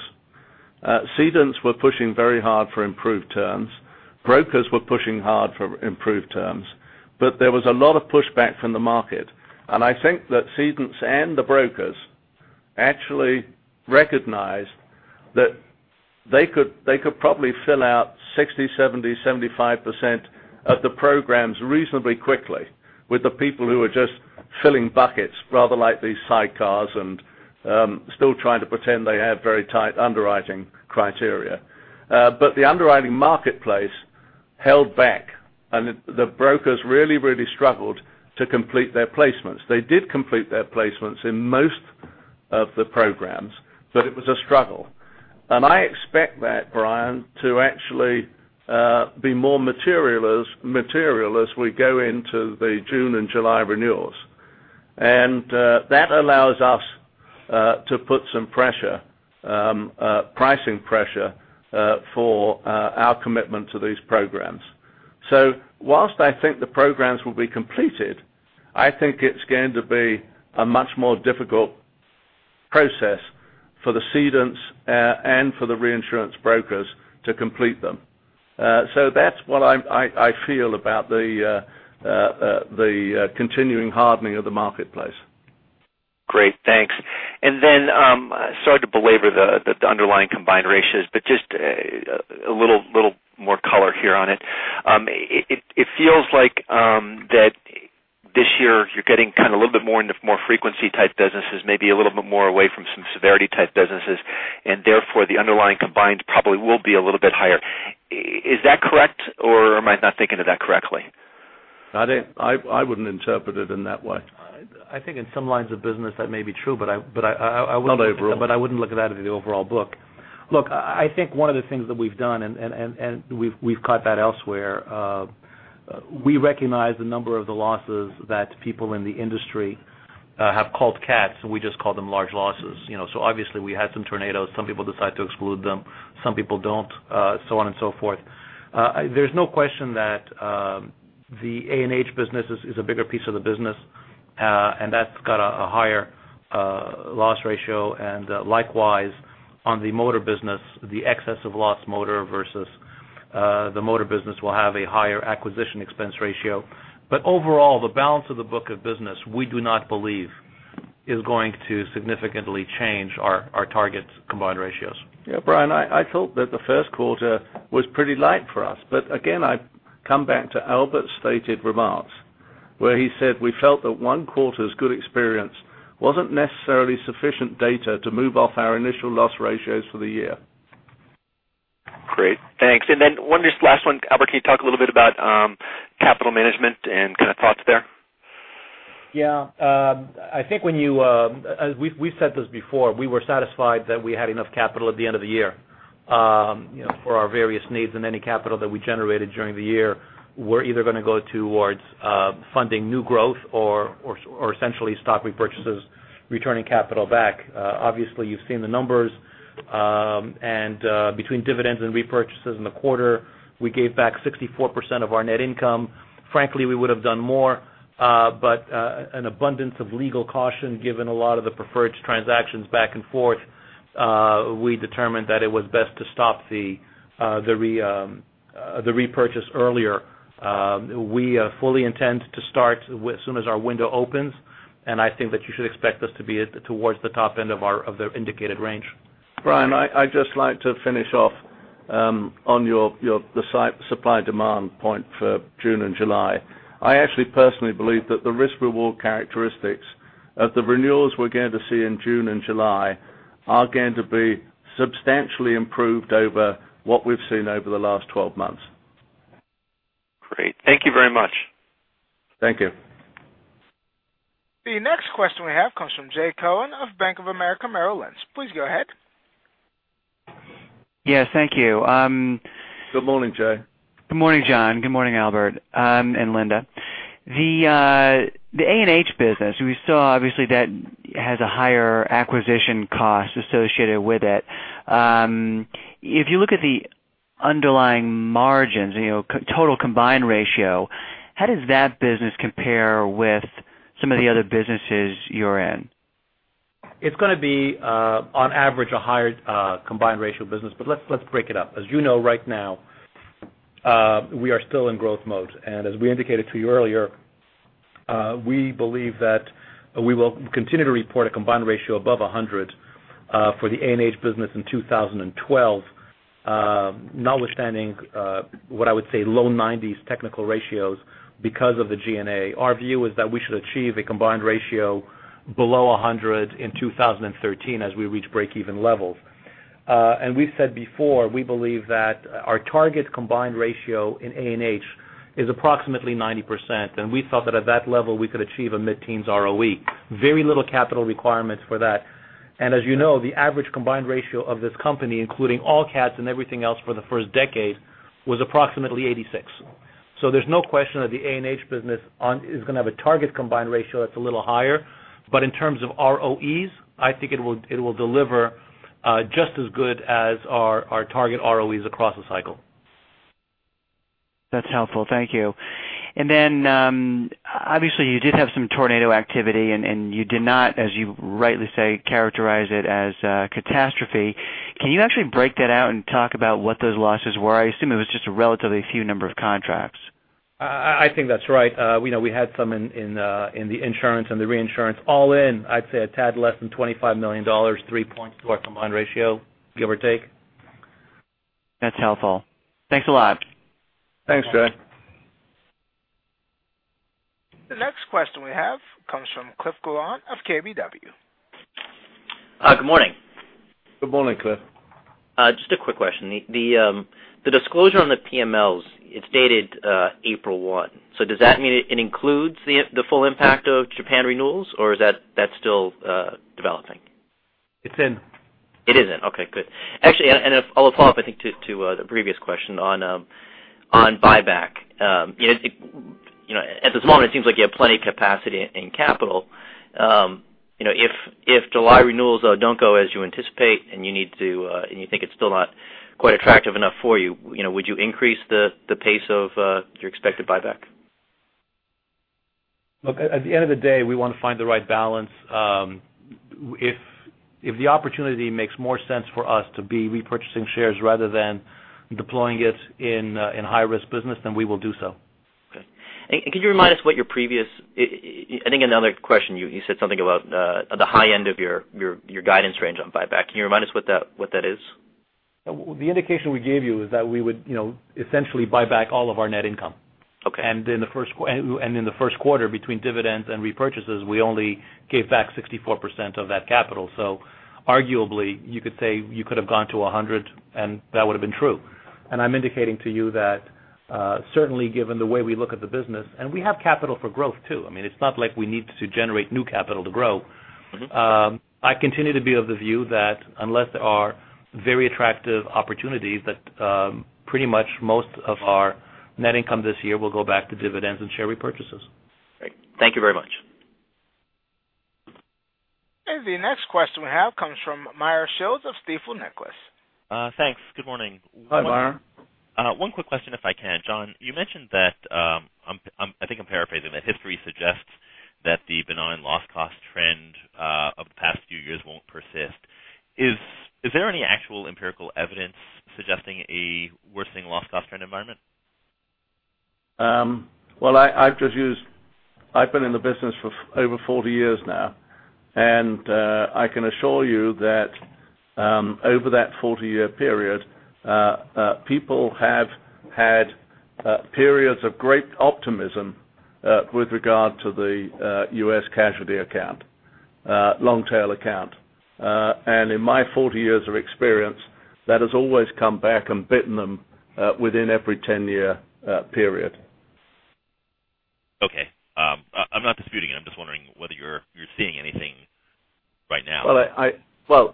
Cedents were pushing very hard for improved terms. Brokers were pushing hard for improved terms. There was a lot of pushback from the market, and I think that cedents and the brokers actually recognized that they could probably fill out 60%, 70%, 75% of the programs reasonably quickly with the people who are just filling buckets rather like these side cars and still trying to pretend they have very tight underwriting criteria. The underwriting marketplace held back, and the brokers really struggled to complete their placements. They did complete their placements in most of the programs, but it was a struggle. I expect that, Brian, to actually be more material as we go into the June and July renewals. That allows us to put some pricing pressure for our commitment to these programs. Whilst I think the programs will be completed, I think it's going to be a much more difficult process for the cedents and for the reinsurance brokers to complete them. That's what I feel about the continuing hardening of the marketplace. Great. Thanks. Sorry to belabor the underlying combined ratios, but just a little more color here on it. It feels like that this year you're getting kind of a little bit more into more frequency type businesses, maybe a little bit more away from some severity type businesses, and therefore the underlying combined probably will be a little bit higher. Is that correct, or am I not thinking of that correctly? I wouldn't interpret it in that way. I think in some lines of business, that may be true. Not overall. I wouldn't look at that as the overall book. Look, I think one of the things that we've done, and we've caught that elsewhere, we recognize the number of the losses that people in the industry have called cats, and we just call them large losses. Obviously we had some tornadoes. Some people decide to exclude them, some people don't, so on and so forth. There's no question that the A&H business is a bigger piece of the business, and that's got a higher loss ratio. Likewise on the motor business, the excess of loss motor versus the motor business will have a higher acquisition expense ratio. Overall, the balance of the book of business, we do not believe is going to significantly change our targets' combined ratios. Yeah, Brian, I thought that the first quarter was pretty light for us. Again, I come back to Albert's stated remarks where he said we felt that one quarter's good experience wasn't necessarily sufficient data to move off our initial loss ratios for the year. Great. Thanks. Then one just last one. Albert, can you talk a little bit about capital management and kind of thoughts there? Yeah. We've said this before. We were satisfied that we had enough capital at the end of the year for our various needs and any capital that we generated during the year were either going to go towards funding new growth or essentially stock repurchases, returning capital back. Obviously, you've seen the numbers. Between dividends and repurchases in the quarter, we gave back 64% of our net income. Frankly, we would have done more but an abundance of legal caution given a lot of the preferred transactions back and forth, we determined that it was best to stop the repurchase earlier. We fully intend to start as soon as our window opens. I think that you should expect us to be towards the top end of the indicated range. Brian, I'd just like to finish off on your supply-demand point for June and July. I actually personally believe that the risk-reward characteristics of the renewals we're going to see in June and July are going to be substantially improved over what we've seen over the last 12 months. Great. Thank you very much. Thank you. The next question we have comes from Jay Cohen of Bank of America, Merrill Lynch. Please go ahead. Yes, thank you. Good morning, Jay. Good morning, John. Good morning, Albert and Linda. The A&H business, we saw obviously that has a higher acquisition cost associated with it. If you look at the underlying margins, total combined ratio, how does that business compare with some of the other businesses you're in? It's going to be, on average, a higher combined ratio business. Let's break it up. As you know, right now, we are still in growth mode. As we indicated to you earlier, we believe that we will continue to report a combined ratio above 100 for the A&H business in 2012, notwithstanding what I would say low 90s technical ratios because of the G&A. Our view is that we should achieve a combined ratio below 100 in 2013 as we reach break-even levels. We've said before, we believe that our target combined ratio in A&H is approximately 90%, and we thought that at that level, we could achieve a mid-teens ROE. Very little capital requirements for that. As you know, the average combined ratio of this company, including all cats and everything else for the first decade, was approximately 86. There's no question that the A&H business is going to have a target combined ratio that's a little higher. In terms of ROEs, I think it will deliver just as good as our target ROEs across the cycle. That's helpful. Thank you. Then, obviously, you did have some tornado activity, and you did not, as you rightly say, characterize it as a catastrophe. Can you actually break that out and talk about what those losses were? I assume it was just a relatively few number of contracts. I think that's right. We know we had some in the insurance and the reinsurance. All in, I'd say a tad less than $25 million, three points to our combined ratio, give or take. That's helpful. Thanks a lot. Thanks, Jay. The next question we have comes from Cliff Gallant of KBW. Good morning. Good morning, Cliff. Just a quick question. The disclosure on the PMLs, it's dated April 1. Does that mean it includes the full impact of Japan renewals, or is that still developing? It's in. It is in. Okay, good. Actually, I'll follow up, I think, to the previous question on buyback. At this moment, it seems like you have plenty of capacity and capital. If July renewals don't go as you anticipate and you think it's still not quite attractive enough for you, would you increase the pace of your expected buyback? Look, at the end of the day, we want to find the right balance. If the opportunity makes more sense for us to be repurchasing shares rather than deploying it in high-risk business, then we will do so. Okay. Could you remind us what your previous, I think in another question, you said something about the high end of your guidance range on buyback. Can you remind us what that is? The indication we gave you is that we would essentially buy back all of our net income. Okay. In the first quarter, between dividends and repurchases, we only gave back 64% of that capital. Arguably, you could say you could have gone to 100 and that would have been true. I'm indicating to you that certainly given the way we look at the business, and we have capital for growth too. I mean, it's not like we need to generate new capital to grow. I continue to be of the view that unless there are very attractive opportunities, that pretty much most of our net income this year will go back to dividends and share repurchases. Great. Thank you very much. The next question we have comes from Meyer Shields of Stifel Nicolaus. Thanks. Good morning. Hi, Meyer. One quick question if I can. John, you mentioned that, I think I'm paraphrasing, that history suggests that the benign loss cost trend of the past few years won't persist. Is there any actual empirical evidence suggesting a worsening loss cost trend environment? Well, I've been in the business for over 40 years now. I can assure you that over that 40-year period, people have had periods of great optimism with regard to the U.S. casualty account, long-tail account. In my 40 years of experience, that has always come back and bitten them within every 10-year period. Okay. I'm not disputing it. I'm just wondering whether you're seeing anything right now. Well,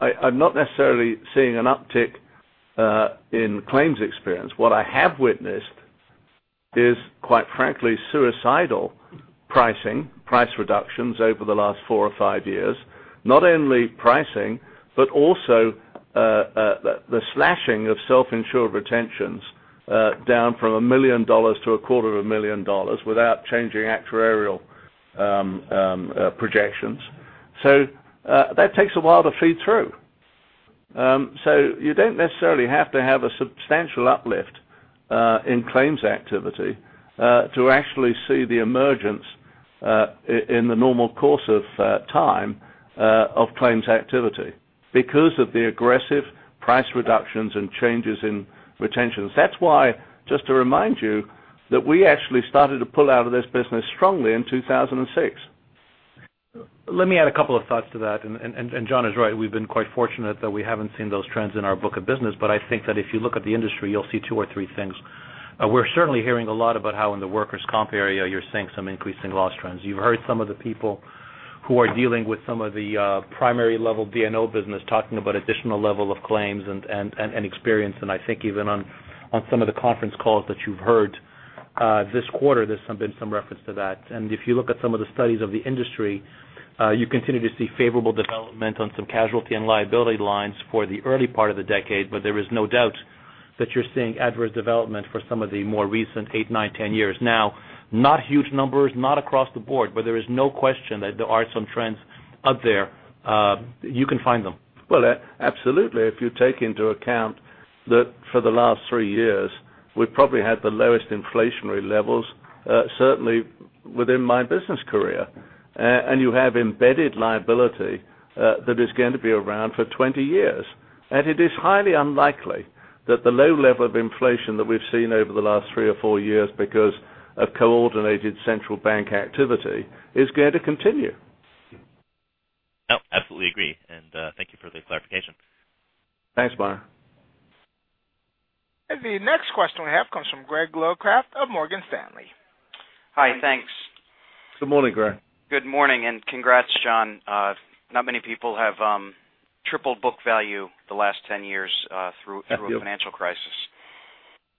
I'm not necessarily seeing an uptick in claims experience. What I have witnessed is, quite frankly, suicidal pricing, price reductions over the last four or five years. Not only pricing, but also the slashing of self-insured retentions down from $1 million to a quarter of a million dollars without changing actuarial projections. That takes a while to feed through. You don't necessarily have to have a substantial uplift in claims activity to actually see the emergence in the normal course of time of claims activity, because of the aggressive price reductions and changes in retentions. That's why, just to remind you, that we actually started to pull out of this business strongly in 2006. Let me add a couple of thoughts to that, John is right. We've been quite fortunate that we haven't seen those trends in our book of business. I think that if you look at the industry, you'll see two or three things. We're certainly hearing a lot about how in the workers' comp area, you're seeing some increasing loss trends. You've heard some of the people who are dealing with some of the primary level D&O business talking about additional level of claims and experience. I think even on some of the conference calls that you've heard this quarter, there's been some reference to that. If you look at some of the studies of the industry, you continue to see favorable development on some casualty and liability lines for the early part of the decade. There is no doubt that you're seeing adverse development for some of the more recent eight, nine, 10 years now. Not huge numbers, not across the board, there is no question that there are some trends out there. You can find them. Well, absolutely. If you take into account that for the last three years, we've probably had the lowest inflationary levels certainly within my business career. You have embedded liability that is going to be around for 20 years. It is highly unlikely that the low level of inflation that we've seen over the last three or four years because of coordinated central bank activity is going to continue. No, absolutely agree. Thank you for the clarification. Thanks, Meyer. The next question we have comes from Greg Locraft of Morgan Stanley. Hi. Thanks. Good morning, Greg. Good morning, congrats, John. Not many people have tripled book value the last 10 years. Thank you. through a financial crisis.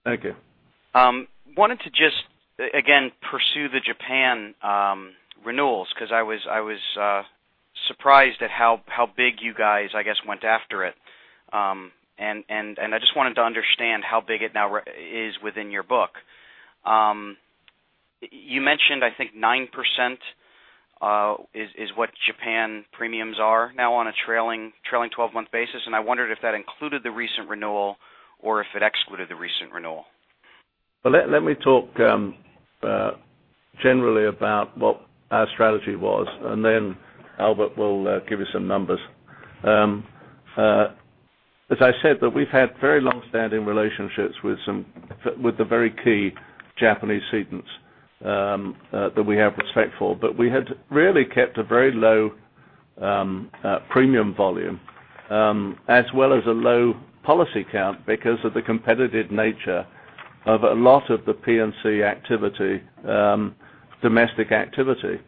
Thank you. Wanted to just, again, pursue the Japan renewals, because I was surprised at how big you guys, I guess, went after it. I just wanted to understand how big it now is within your book. You mentioned, I think 9% is what Japan premiums are now on a trailing 12-month basis, and I wondered if that included the recent renewal or if it excluded the recent renewal. Let me talk generally about what our strategy was, and then Albert will give you some numbers. As I said, that we've had very long-standing relationships with the very key Japanese cedents that we have respect for. We had really kept a very low premium volume as well as a low policy count because of the competitive nature of a lot of the P&C activity, domestic activity.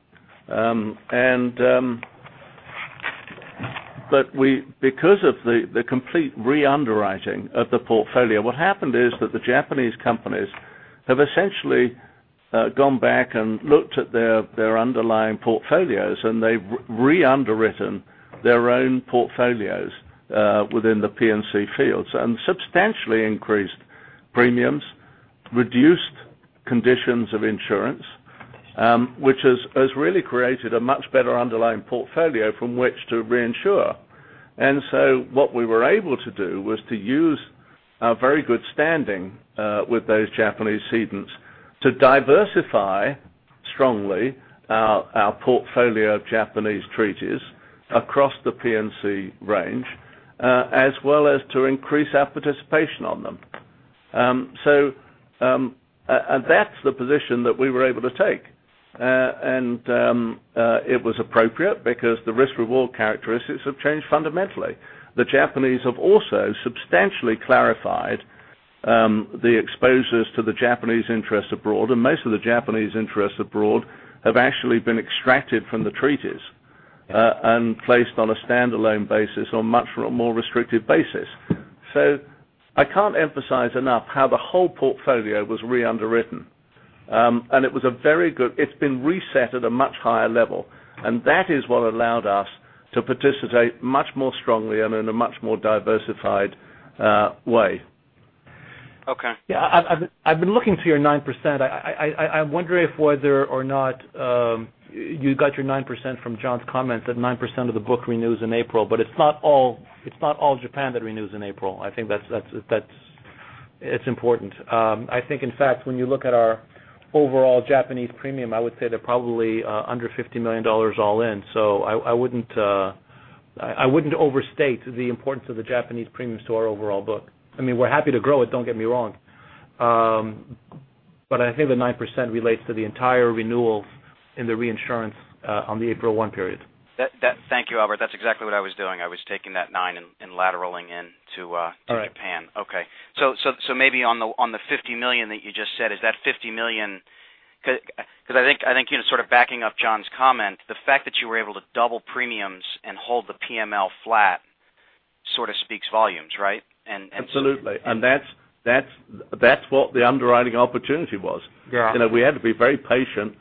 Because of the complete re-underwriting of the portfolio, what happened is that the Japanese companies have essentially gone back and looked at their underlying portfolios, and they've re-underwritten their own portfolios within the P&C fields and substantially increased premiums, reduced conditions of insurance, which has really created a much better underlying portfolio from which to reinsure. What we were able to do was to use our very good standing with those Japanese cedents to diversify strongly our portfolio of Japanese treaties across the P&C range, as well as to increase our participation on them. That's the position that we were able to take. It was appropriate because the risk-reward characteristics have changed fundamentally. The Japanese have also substantially clarified the exposures to the Japanese interests abroad, and most of the Japanese interests abroad have actually been extracted from the treaties and placed on a standalone basis on a much more restrictive basis. I can't emphasize enough how the whole portfolio was re-underwritten. It's been reset at a much higher level, and that is what allowed us to participate much more strongly and in a much more diversified way. Okay. Yeah. I've been looking to your 9%. I wonder if whether or not you got your 9% from John's comment that 9% of the book renews in April, but it's not all Japan that renews in April. I think that's important. I think, in fact, when you look at our overall Japanese premium, I would say they're probably under $50 million all in. I wouldn't overstate the importance of the Japanese premiums to our overall book. I mean, we're happy to grow it, don't get me wrong. I think the 9% relates to the entire renewals in the reinsurance on the April 1 period. Thank you, Albert. That's exactly what I was doing. I was taking that 9 and lateraling in to Japan. All right. Okay. Maybe on the $50 million that you just said, is that $50 million? Because I think, sort of backing up John's comment, the fact that you were able to double premiums and hold the PML flat sort of speaks volumes, right? Absolutely. That's what the underwriting opportunity was. Yeah. We had to be very patient,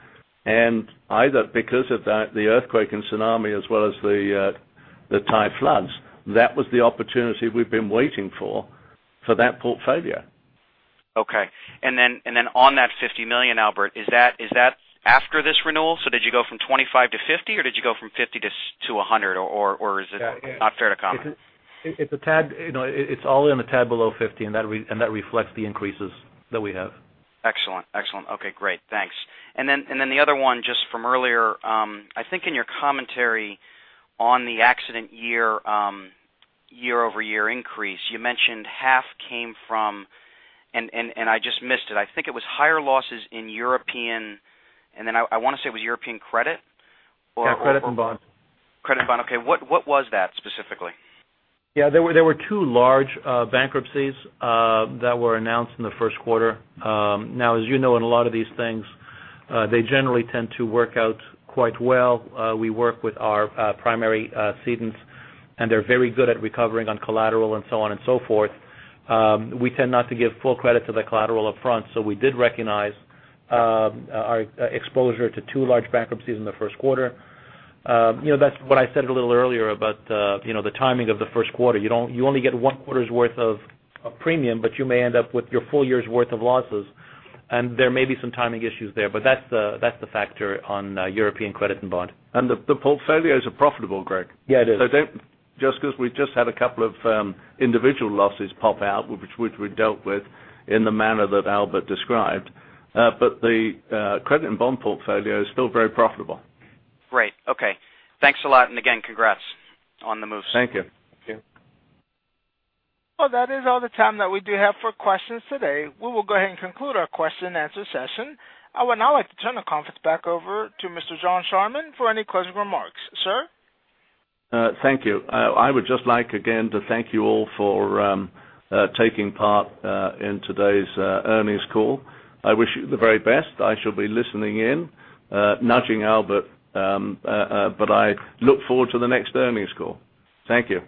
and either because of that, the earthquake and tsunami as well as the Thai floods, that was the opportunity we've been waiting for that portfolio. Okay. Then on that $50 million, Albert, is that after this renewal? Did you go from $25 to $50, or did you go from $50 to $100, or is it not fair to comment? It's all in a tad below 50, and that reflects the increases that we have. Excellent. Okay, great. Thanks. Then the other one, just from earlier, I think in your commentary on the accident year-over-year increase, you mentioned half came from, and I just missed it. I think it was higher losses in European, and then I want to say it was European credit? Yeah, credit and bond. Credit and bond. Okay, what was that specifically? Yeah, there were two large bankruptcies that were announced in the first quarter. As you know, in a lot of these things, they generally tend to work out quite well. We work with our primary cedents, and they're very good at recovering on collateral and so on and so forth. We tend not to give full credit to the collateral up front, so we did recognize our exposure to two large bankruptcies in the first quarter. That's what I said a little earlier about the timing of the first quarter. You only get one quarter's worth of premium, but you may end up with your full year's worth of losses, and there may be some timing issues there. That's the factor on European credit and bond. The portfolios are profitable, Greg. Yeah, it is. Just because we've just had a couple of individual losses pop out, which we've dealt with in the manner that Albert described. The credit and bond portfolio is still very profitable. Great. Okay. Thanks a lot, and again, congrats on the moves. Thank you. Thank you. Well, that is all the time that we do have for questions today. We will go ahead and conclude our question and answer session. I would now like to turn the conference back over to Mr. John Charman for any closing remarks. Sir? Thank you. I would just like, again, to thank you all for taking part in today's earnings call. I wish you the very best. I shall be listening in, nudging Albert, but I look forward to the next earnings call. Thank you.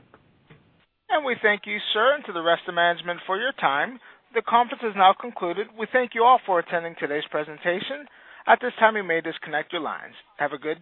We thank you, sir, and to the rest of management for your time. The conference has now concluded. We thank you all for attending today's presentation. At this time, you may disconnect your lines. Have a good day.